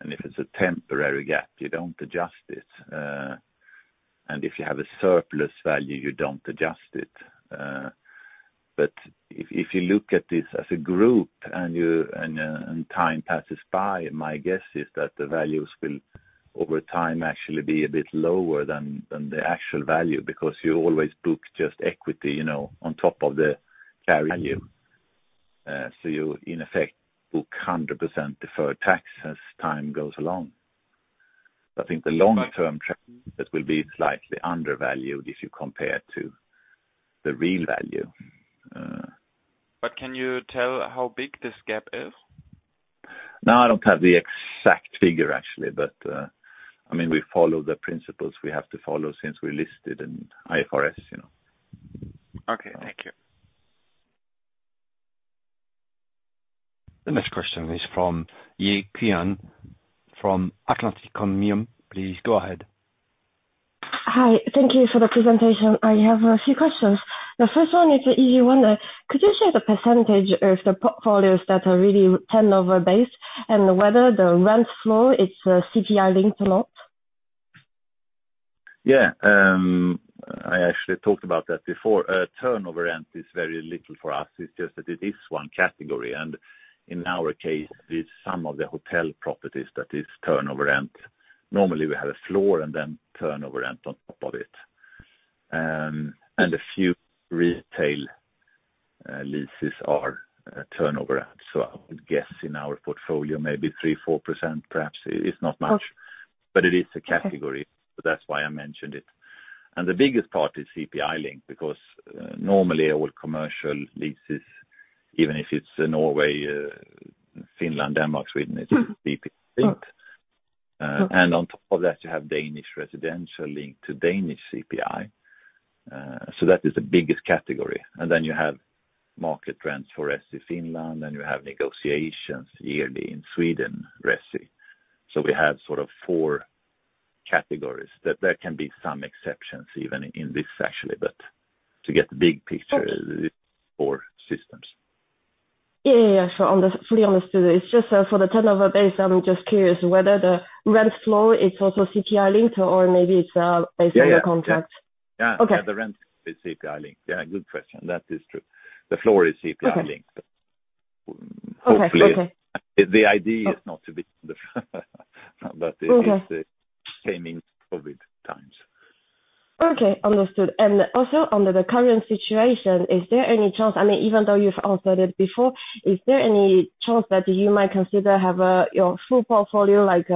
and if it's a temporary gap, you don't adjust it. If you have a surplus value, you don't adjust it. If you look at this as a group and time passes by, my guess is that the values will over time actually be a bit lower than the actual value because you always book just equity, you know, on top of the carrying value. You in effect book 100% deferred tax as time goes along. I think the long term, it will be slightly undervalued if you compare to the real value. Can you tell how big this gap is? No, I don't have the exact figure actually, but I mean, we follow the principles we have to follow since we listed in IFRS, you know. Okay. Thank you. The next question is from Yi Qian from Atlanticomnium. Please go ahead. Hi. Thank you for the presentation. I have a few questions. The first one is if you wonder, could you share the percentage of the portfolios that are really turnover-based, and whether the rent flow is CPI linked or not? Yeah. I actually talked about that before. Turnover rent is very little for us. It's just that it is one category, and in our case, it's some of the hotel properties that is turnover rent. Normally, we have a floor and then turnover rent on top of it. A few retail leases are turnover rent. I would guess in our portfolio maybe 3-4% perhaps. It's not much. Okay. It is a category. That's why I mentioned it. The biggest part is CPI link, because normally all commercial leases, even if it's Norway, Finland, Denmark, Sweden. Mm. It's just CPI linked. Okay. On top of that you have Danish residential link to Danish CPI, so that is the biggest category. Then you have market rents for SC Finland, and you have negotiations yearly in Sweden Resi. We have sort of four categories. That there can be some exceptions even in this actually, but to get the big picture. Okay. Four systems. Yeah. Fully understood. It's just, for the turnover base, I'm just curious whether the rent flow is also CPI linked or maybe it's? Yeah, yeah. Based on your contract. Yeah. Okay. Yeah, the rent is CPI linked. Yeah, good question. That is true. The floor is CPI linked. Okay. But hopefully- Okay. Okay. The idea is not to be but it- Mm-hmm. Is the same in COVID times. Okay. Understood. Also under the current situation, is there any chance, I mean, even though you've answered it before, is there any chance that you might consider having your full portfolio like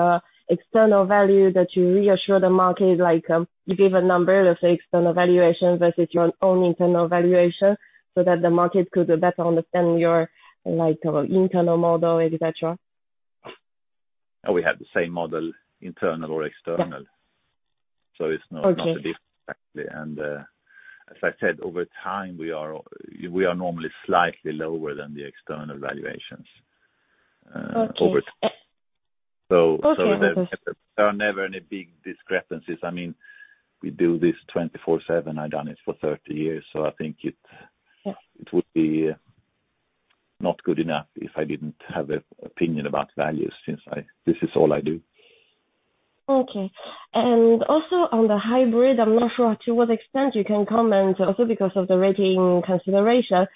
external value that you reassure the market, like, you give a number of the external valuation versus your own internal valuation so that the market could better understand your, like, internal model, et cetera? Oh, we have the same model, internal or external. Yeah. So it's not- Okay. Not a difference actually. As I said, over time we are normally slightly lower than the external valuations. Okay. Over time. Okay. There are never any big discrepancies. I mean, we do this 24/7. I've done it for 30 years, so I think it. Yeah. It would be not good enough if I didn't have an opinion about values since this is all I do. Okay. Also on the hybrid, I'm not sure to what extent you can comment also because of the rating consideration.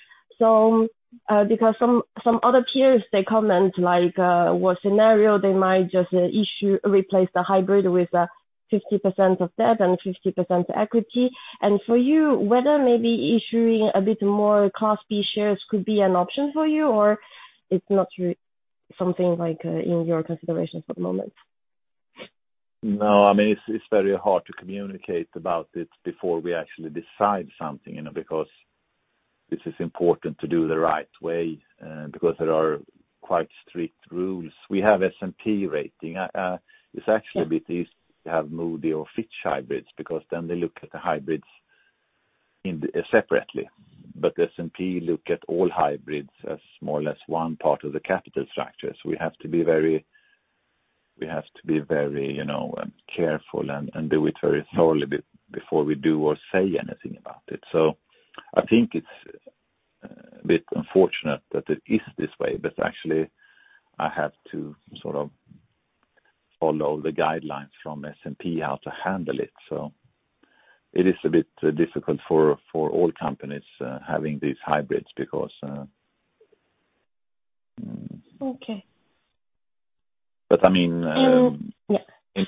Because some other peers, they comment like what scenario they might just replace the hybrid with a 50% of debt and 50% equity. For you, whether maybe issuing a bit more Class B shares could be an option for you, or it's not something like in your considerations at the moment. No. I mean, it's very hard to communicate about it before we actually decide something, you know, because this is important to do the right way, because there are quite strict rules. We have S&P rating. It's actually a bit easy to have Moody's or Fitch hybrids because then they look at the hybrids separately. S&P look at all hybrids as more or less one part of the capital structure. We have to be very careful and do it very thoroughly before we do or say anything about it. I think it's a bit unfortunate that it is this way, but actually I have to sort of follow the guidelines from S&P, how to handle it. It is a bit difficult for all companies having these hybrids because- Okay. I mean. Yeah.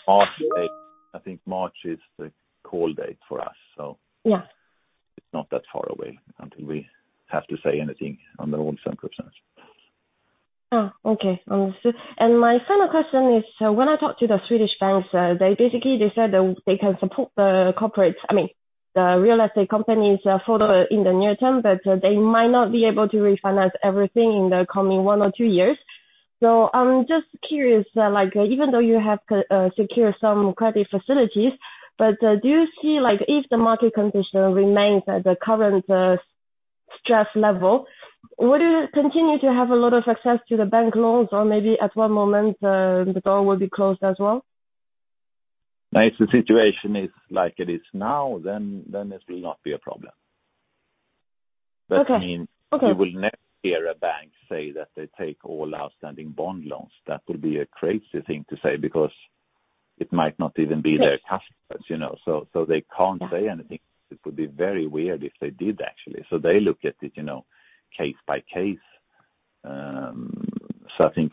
I think March is the call date for us. Yeah. It's not that far away until we have to say anything under all circumstances. Oh, okay. Understood. My final question is, when I talk to the Swedish banks, they basically said they can support the corporates. I mean the real estate companies for the near term, but they might not be able to refinance everything in the coming 1 or 2 years. I'm just curious, like, even though you have secured some credit facilities, but do you see like if the market condition remains at the current stress level, would you continue to have a lot of access to the bank loans or maybe at one moment the door will be closed as well? If the situation is like it is now, then it will not be a problem. Okay, okay. That means you will never hear a bank say that they take all outstanding bond loans. That would be a crazy thing to say because it might not even be their customers, you know. They can't say anything. It would be very weird if they did, actually. They look at it, you know, case by case. I think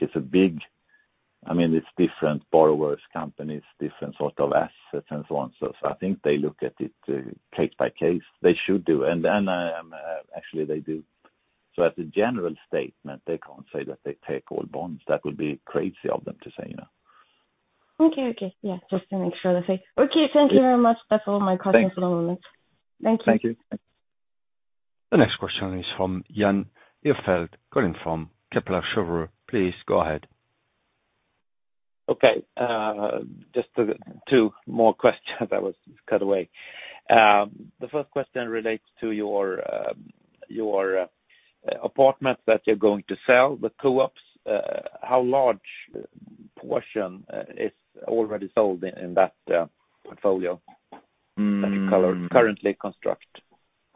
I mean, it's different borrowers, companies, different sort of assets and so on. I think they look at it case by case. They should do. Actually they do. As a general statement, they can't say that they take all bonds. That would be crazy of them to say, you know. Okay. Yeah, just to make sure I say. Okay, thank you very much. That's all my questions for the moment. Thanks. Thank you. Thank you. The next question is from Jan Ihrfelt calling from Kepler Cheuvreux. Please go ahead. Just two more questions. I was cut away. The first question relates to your apartment that you're going to sell, the co-ops. How large portion is already sold in that portfolio that you currently construct?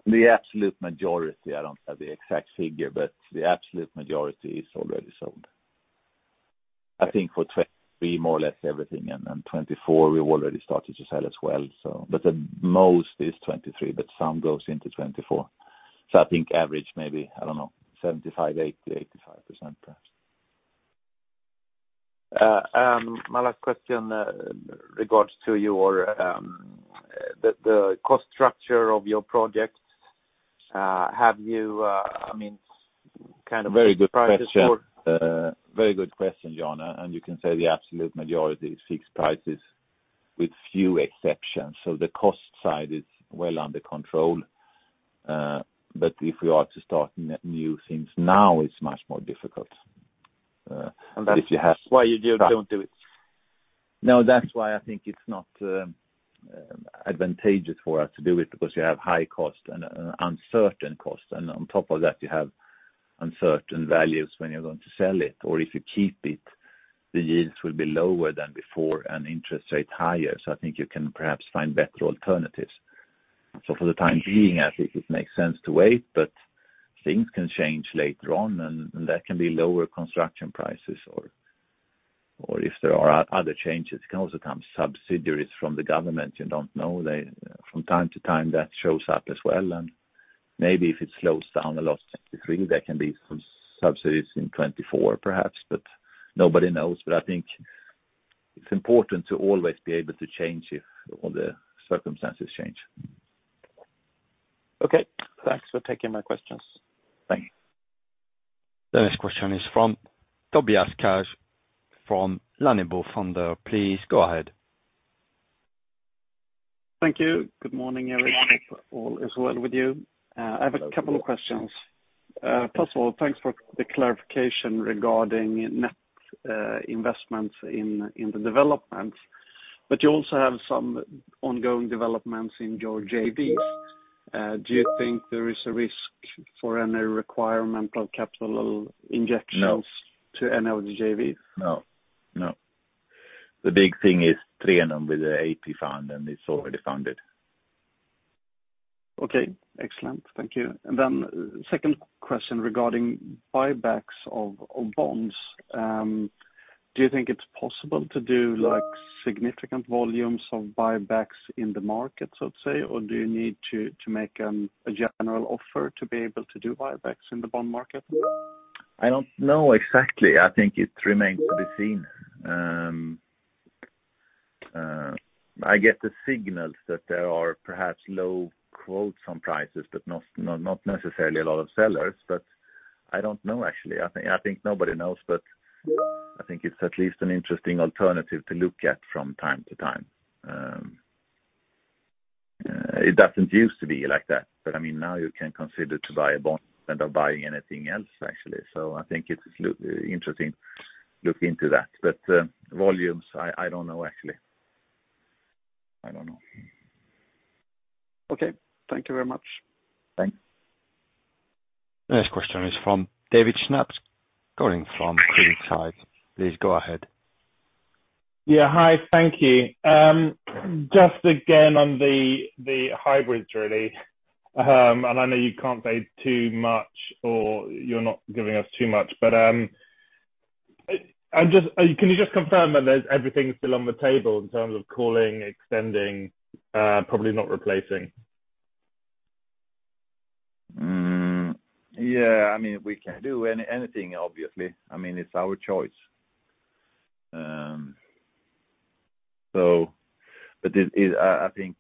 The absolute majority. I don't have the exact figure, but the absolute majority is already sold. I think for 2023, more or less everything, and 2024 we've already started to sell as well. The most is 2023, but some goes into 2024. I think average maybe, I don't know, 75, 80, 85% perhaps. My last question regards to your, the cost structure of your projects. Have you, I mean, kind of- Very good question, Jan. You can say the absolute majority is fixed prices with few exceptions. The cost side is well under control. If you are to start new things now, it's much more difficult. If you have- That's why you don't do it. No, that's why I think it's not advantageous for us to do it because you have high cost and uncertain cost. On top of that, you have uncertain values when you're going to sell it, or if you keep it, the yields will be lower than before and interest rate higher. I think you can perhaps find better alternatives. For the time being, I think it makes sense to wait, but things can change later on, and there can be lower construction prices or if there are other changes. It can also come subsidiaries from the government, you don't know. From time to time, that shows up as well. Maybe if it slows down a lot in 2023, there can be some subsidies in 2024 perhaps, but nobody knows. I think it's important to always be able to change if all the circumstances change. Okay. Thanks for taking my questions. Thank you. The next question is from Tobias Kaj from Lannebo Fonder. Please go ahead. Thank you. Good morning, everyone. Good morning. Hope all is well with you. I have a couple of questions. First of all, thanks for the clarification regarding net investments in the developments. You also have some ongoing developments in your JVs. Do you think there is a risk for any requirement of capital injections? No. to end of JV? No, no. The big thing is Trenum with the AP Fund, and it's already funded. Okay, excellent. Thank you. Second question regarding buybacks of bonds. Do you think it's possible to do like significant volumes of buybacks in the market, so to say or do you need to make a general offer to be able to do buybacks in the bond market? I don't know exactly. I think it remains to be seen. I get the signals that there are perhaps low quotes on prices, but not necessarily a lot of sellers. I don't know, actually. I think nobody knows, but I think it's at least an interesting alternative to look at from time to time. It doesn't used to be like that, but I mean, now you can consider to buy a bond instead of buying anything else, actually. So I think it's interesting look into that. But volumes, I don't know, actually. I don't know. Okay. Thank you very much. Thanks. Next question is from David Shnaps calling from CreditSights. Please go ahead. Yeah. Hi, thank you. Just again on the hybrids, really. I know you can't say too much or you're not giving us too much, but can you just confirm that there's everything still on the table in terms of calling, extending, probably not replacing? I mean, we can do anything, obviously. I mean, it's our choice. I think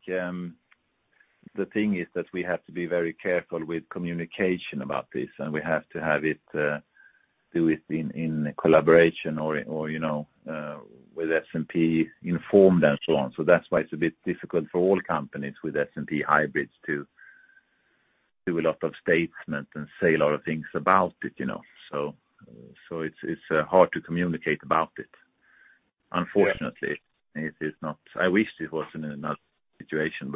the thing is that we have to be very careful with communication about this, and we have to do it in collaboration or, you know, with S&P informed and so on. That's why it's a bit difficult for all companies with S&P hybrids to make a lot of statements and say a lot of things about it, you know. It's hard to communicate about it. Unfortunately, it is not. I wish it was in another situation,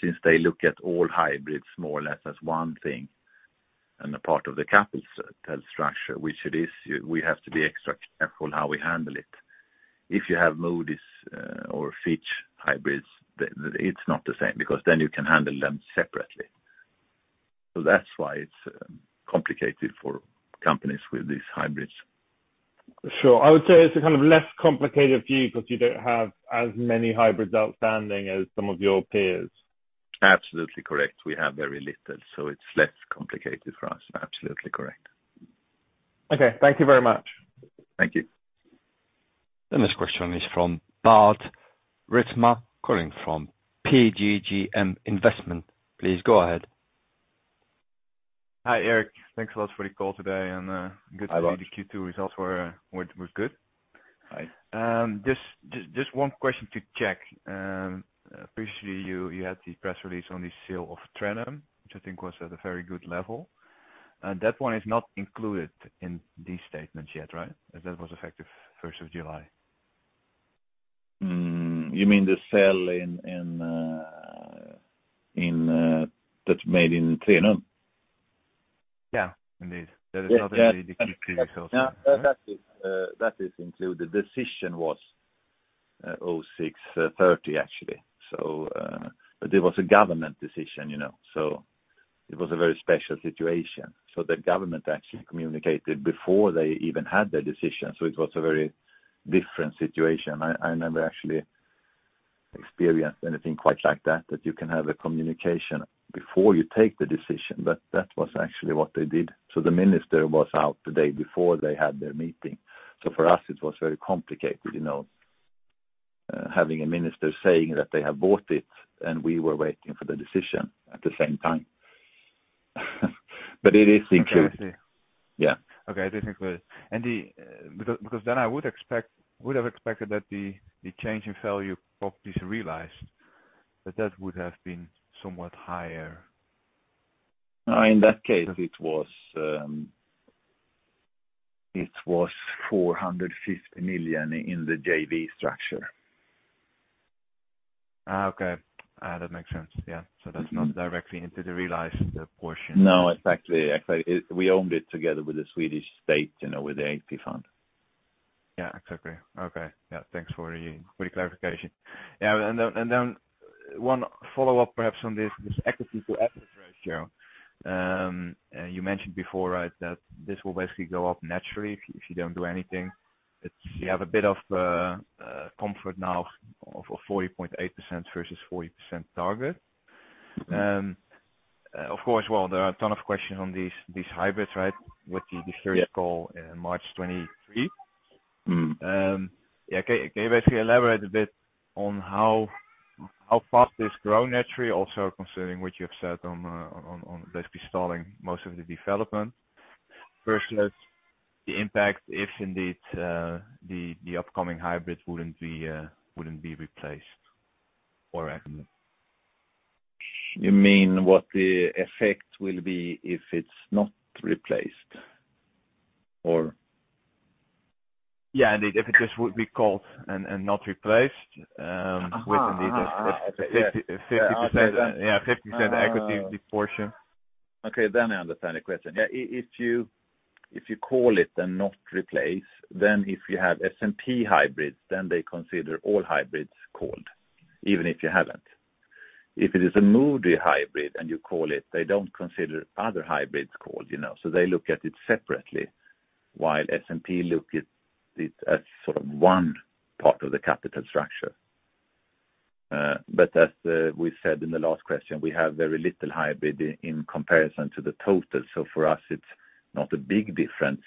since they look at all hybrids more or less as one thing and a part of the capital structure, which it is, we have to be extra careful how we handle it. If you have Moody's or Fitch hybrids, it's not the same because then you can handle them separately. That's why it's complicated for companies with these hybrids. Sure. I would say it's a kind of less complicated view because you don't have as many hybrids outstanding as some of your peers. Absolutely correct. We have very little, so it's less complicated for us. Absolutely correct. Okay. Thank you very much. Thank you. The next question is from Bart Reidsma, calling from PGGM Investment. Please go ahead. Hi, Erik. Thanks a lot for the call today and, good to see- Hi, Bart. The Q2 results were good. Right. Just one question to check. Previously, you had the press release on the sale of Trenum, which I think was at a very good level. That one is not included in these statements yet, right? As that was effective first of July. You mean the sale in, that's made in Trenum? Yeah, indeed. That is not in the Q3 results. That is included. Decision was 6:30, actually. It was a government decision, you know, so it was a very special situation. The government actually communicated before they even had their decision, so it was a very different situation. I never actually experienced anything quite like that you can have a communication before you take the decision, but that was actually what they did. The minister was out the day before they had their meeting. For us, it was very complicated, you know, having a minister saying that they have bought it and we were waiting for the decision at the same time. It is included. Okay, I see. Yeah. Okay, it is included. Because then I would have expected that the change in value of this realized, that would have been somewhat higher. In that case, it was 450 million in the JV structure. Okay. That makes sense. Yeah. Mm-hmm. That's not directly into the realized portion. No, it's actually, we owned it together with the Swedish state, you know, with the AP Fund. Yeah, exactly. Okay. Yeah. Thanks for your clarification. Yeah. Then one follow-up, perhaps on this equity to assets ratio. You mentioned before, right, that this will basically go up naturally if you don't do anything. It's you have a bit of comfort now of a 40.8% versus 40% target. Mm-hmm. Of course, well, there are a ton of questions on these hybrids, right? With the series call in March 2023. Mm-hmm. Yeah. Can you basically elaborate a bit on how fast this grow naturally, also considering what you have said on basically stalling most of the development, versus the impact if indeed the upcoming hybrids wouldn't be replaced or You mean what the effect will be if it's not replaced or? Yeah, indeed. If it just would be called and not replaced Uh-huh. with indeed a 50% I see. Yeah, 50% equity portion. Okay, I understand the question. Yeah. If you call it and not replace, then if you have S&P hybrids, they consider all hybrids called, even if you haven't. If it is a Moody hybrid and you call it, they don't consider other hybrids called, you know. They look at it separately, while S&P look at it as sort of one part of the capital structure. As we said in the last question, we have very little hybrid in comparison to the total. For us, it's not a big difference.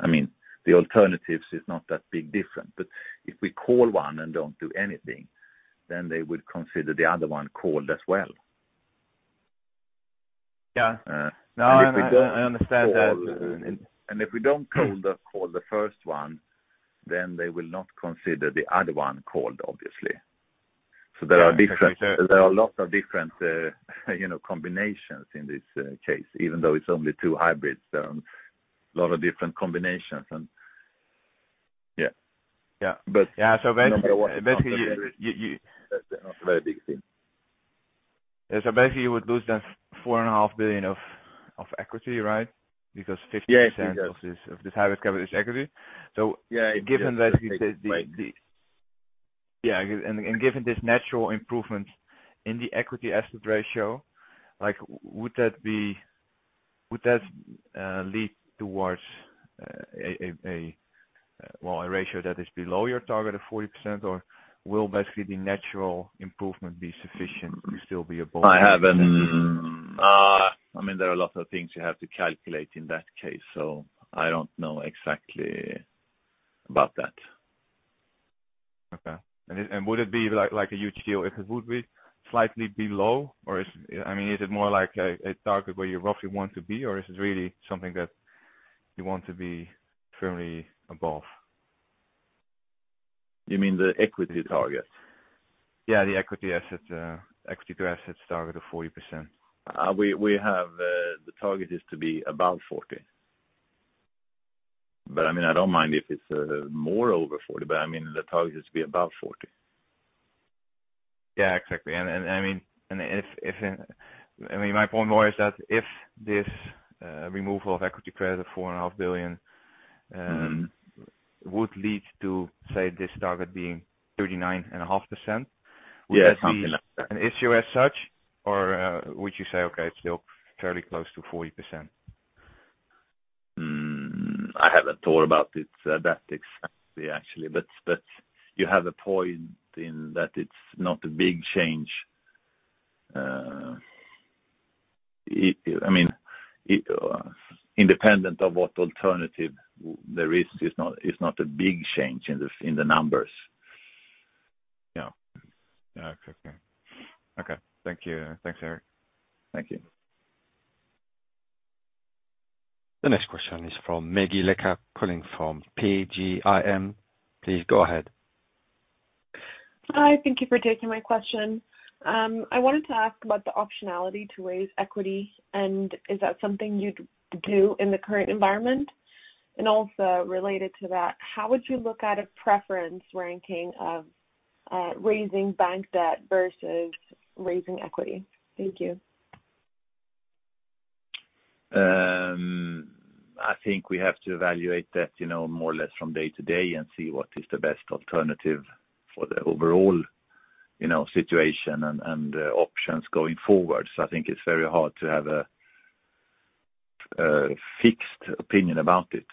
I mean, the alternatives is not that big different, but if we call one and don't do anything, then they would consider the other one called as well. Yeah. Uh. No, I understand that. If we don't call the first one, then they will not consider the other one called, obviously. There are different- Okay. There are lots of different, you know, combinations in this case, even though it's only two hybrids. Lot of different combinations and yeah. Yeah. But- Yeah. Number one. Basically, you. That's not a very big thing. Yeah. Basically you would lose then 4.5 billion of equity, right? Because 50%- Yes. of this hybrid covered equity. Yeah. Given the natural improvement in the equity asset ratio, like, would that lead towards, well, a ratio that is below your target of 40% or will basically the natural improvement be sufficient to still be above? I mean, there are a lot of things you have to calculate in that case, so I don't know exactly about that. Okay. Would it be like a huge deal if it would be slightly below? Or is it I mean, is it more like a target where you roughly want to be, or is it really something that you want to be firmly above? You mean the equity target? Yeah, the equity to assets target of 40%. We have the target is to be above 40. I mean, I don't mind if it's more over 40, but I mean, the target is to be above 40. Yeah, exactly. I mean, my point more is that if this removal of equity credit of 4.5 billion- Mm-hmm. would lead to, say, this target being 39.5% Yeah, something like. Would that be an issue as such? Or, would you say, "Okay, it's still fairly close to 40%"? I haven't thought about it that exactly, actually. You have a point in that it's not a big change. I mean, independent of what alternative there is, it's not a big change in the numbers. Yeah. Okay. Thank you. Thanks, Erik. Thank you. The next question is from Megi Leka calling from PGIM. Please go ahead. Hi. Thank you for taking my question. I wanted to ask about the optionality to raise equity and is that something you'd do in the current environment? Also related to that, how would you look at a preference ranking of raising bank debt versus raising equity? Thank you. I think we have to evaluate that, you know, more or less from day to day and see what is the best alternative for the overall, you know, situation and options going forward. I think it's very hard to have a fixed opinion about it.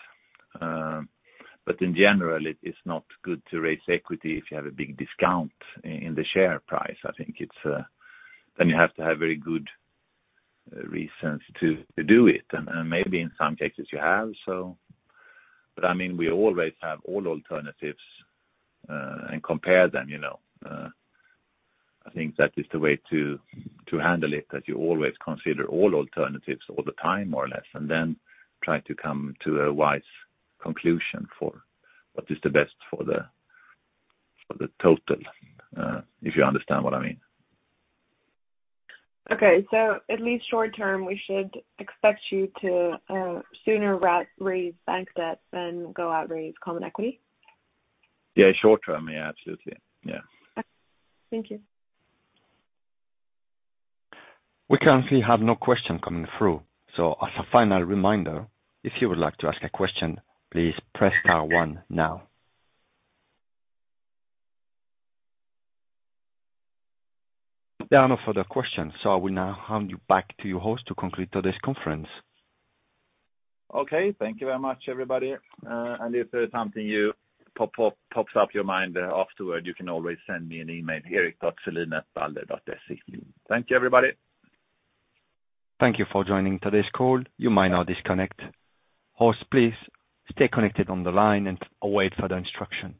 In general, it is not good to raise equity if you have a big discount in the share price. I think it's. Then you have to have very good reasons to do it. Maybe in some cases you have. I mean, we always have all alternatives and compare them, you know. I think that is the way to handle it, that you always consider all alternatives all the time, more or less, and then try to come to a wise conclusion for what is the best for the total, if you understand what I mean. Okay. At least short term, we should expect you to sooner raise bank debt than go out raise common equity? Yeah. Short term, yeah, absolutely. Yeah. Thank you. We currently have no question coming through. As a final reminder, if you would like to ask a question, please press star one now. There are no further questions, so I will now hand you back to your host to conclude today's conference. Okay. Thank you very much, everybody. If there's something that pops up in your mind afterward, you can always send me an email at erik.selin@balder.se. Thank you, everybody. Thank you for joining today's call. You may now disconnect. Host, please stay connected on the line and await further instruction.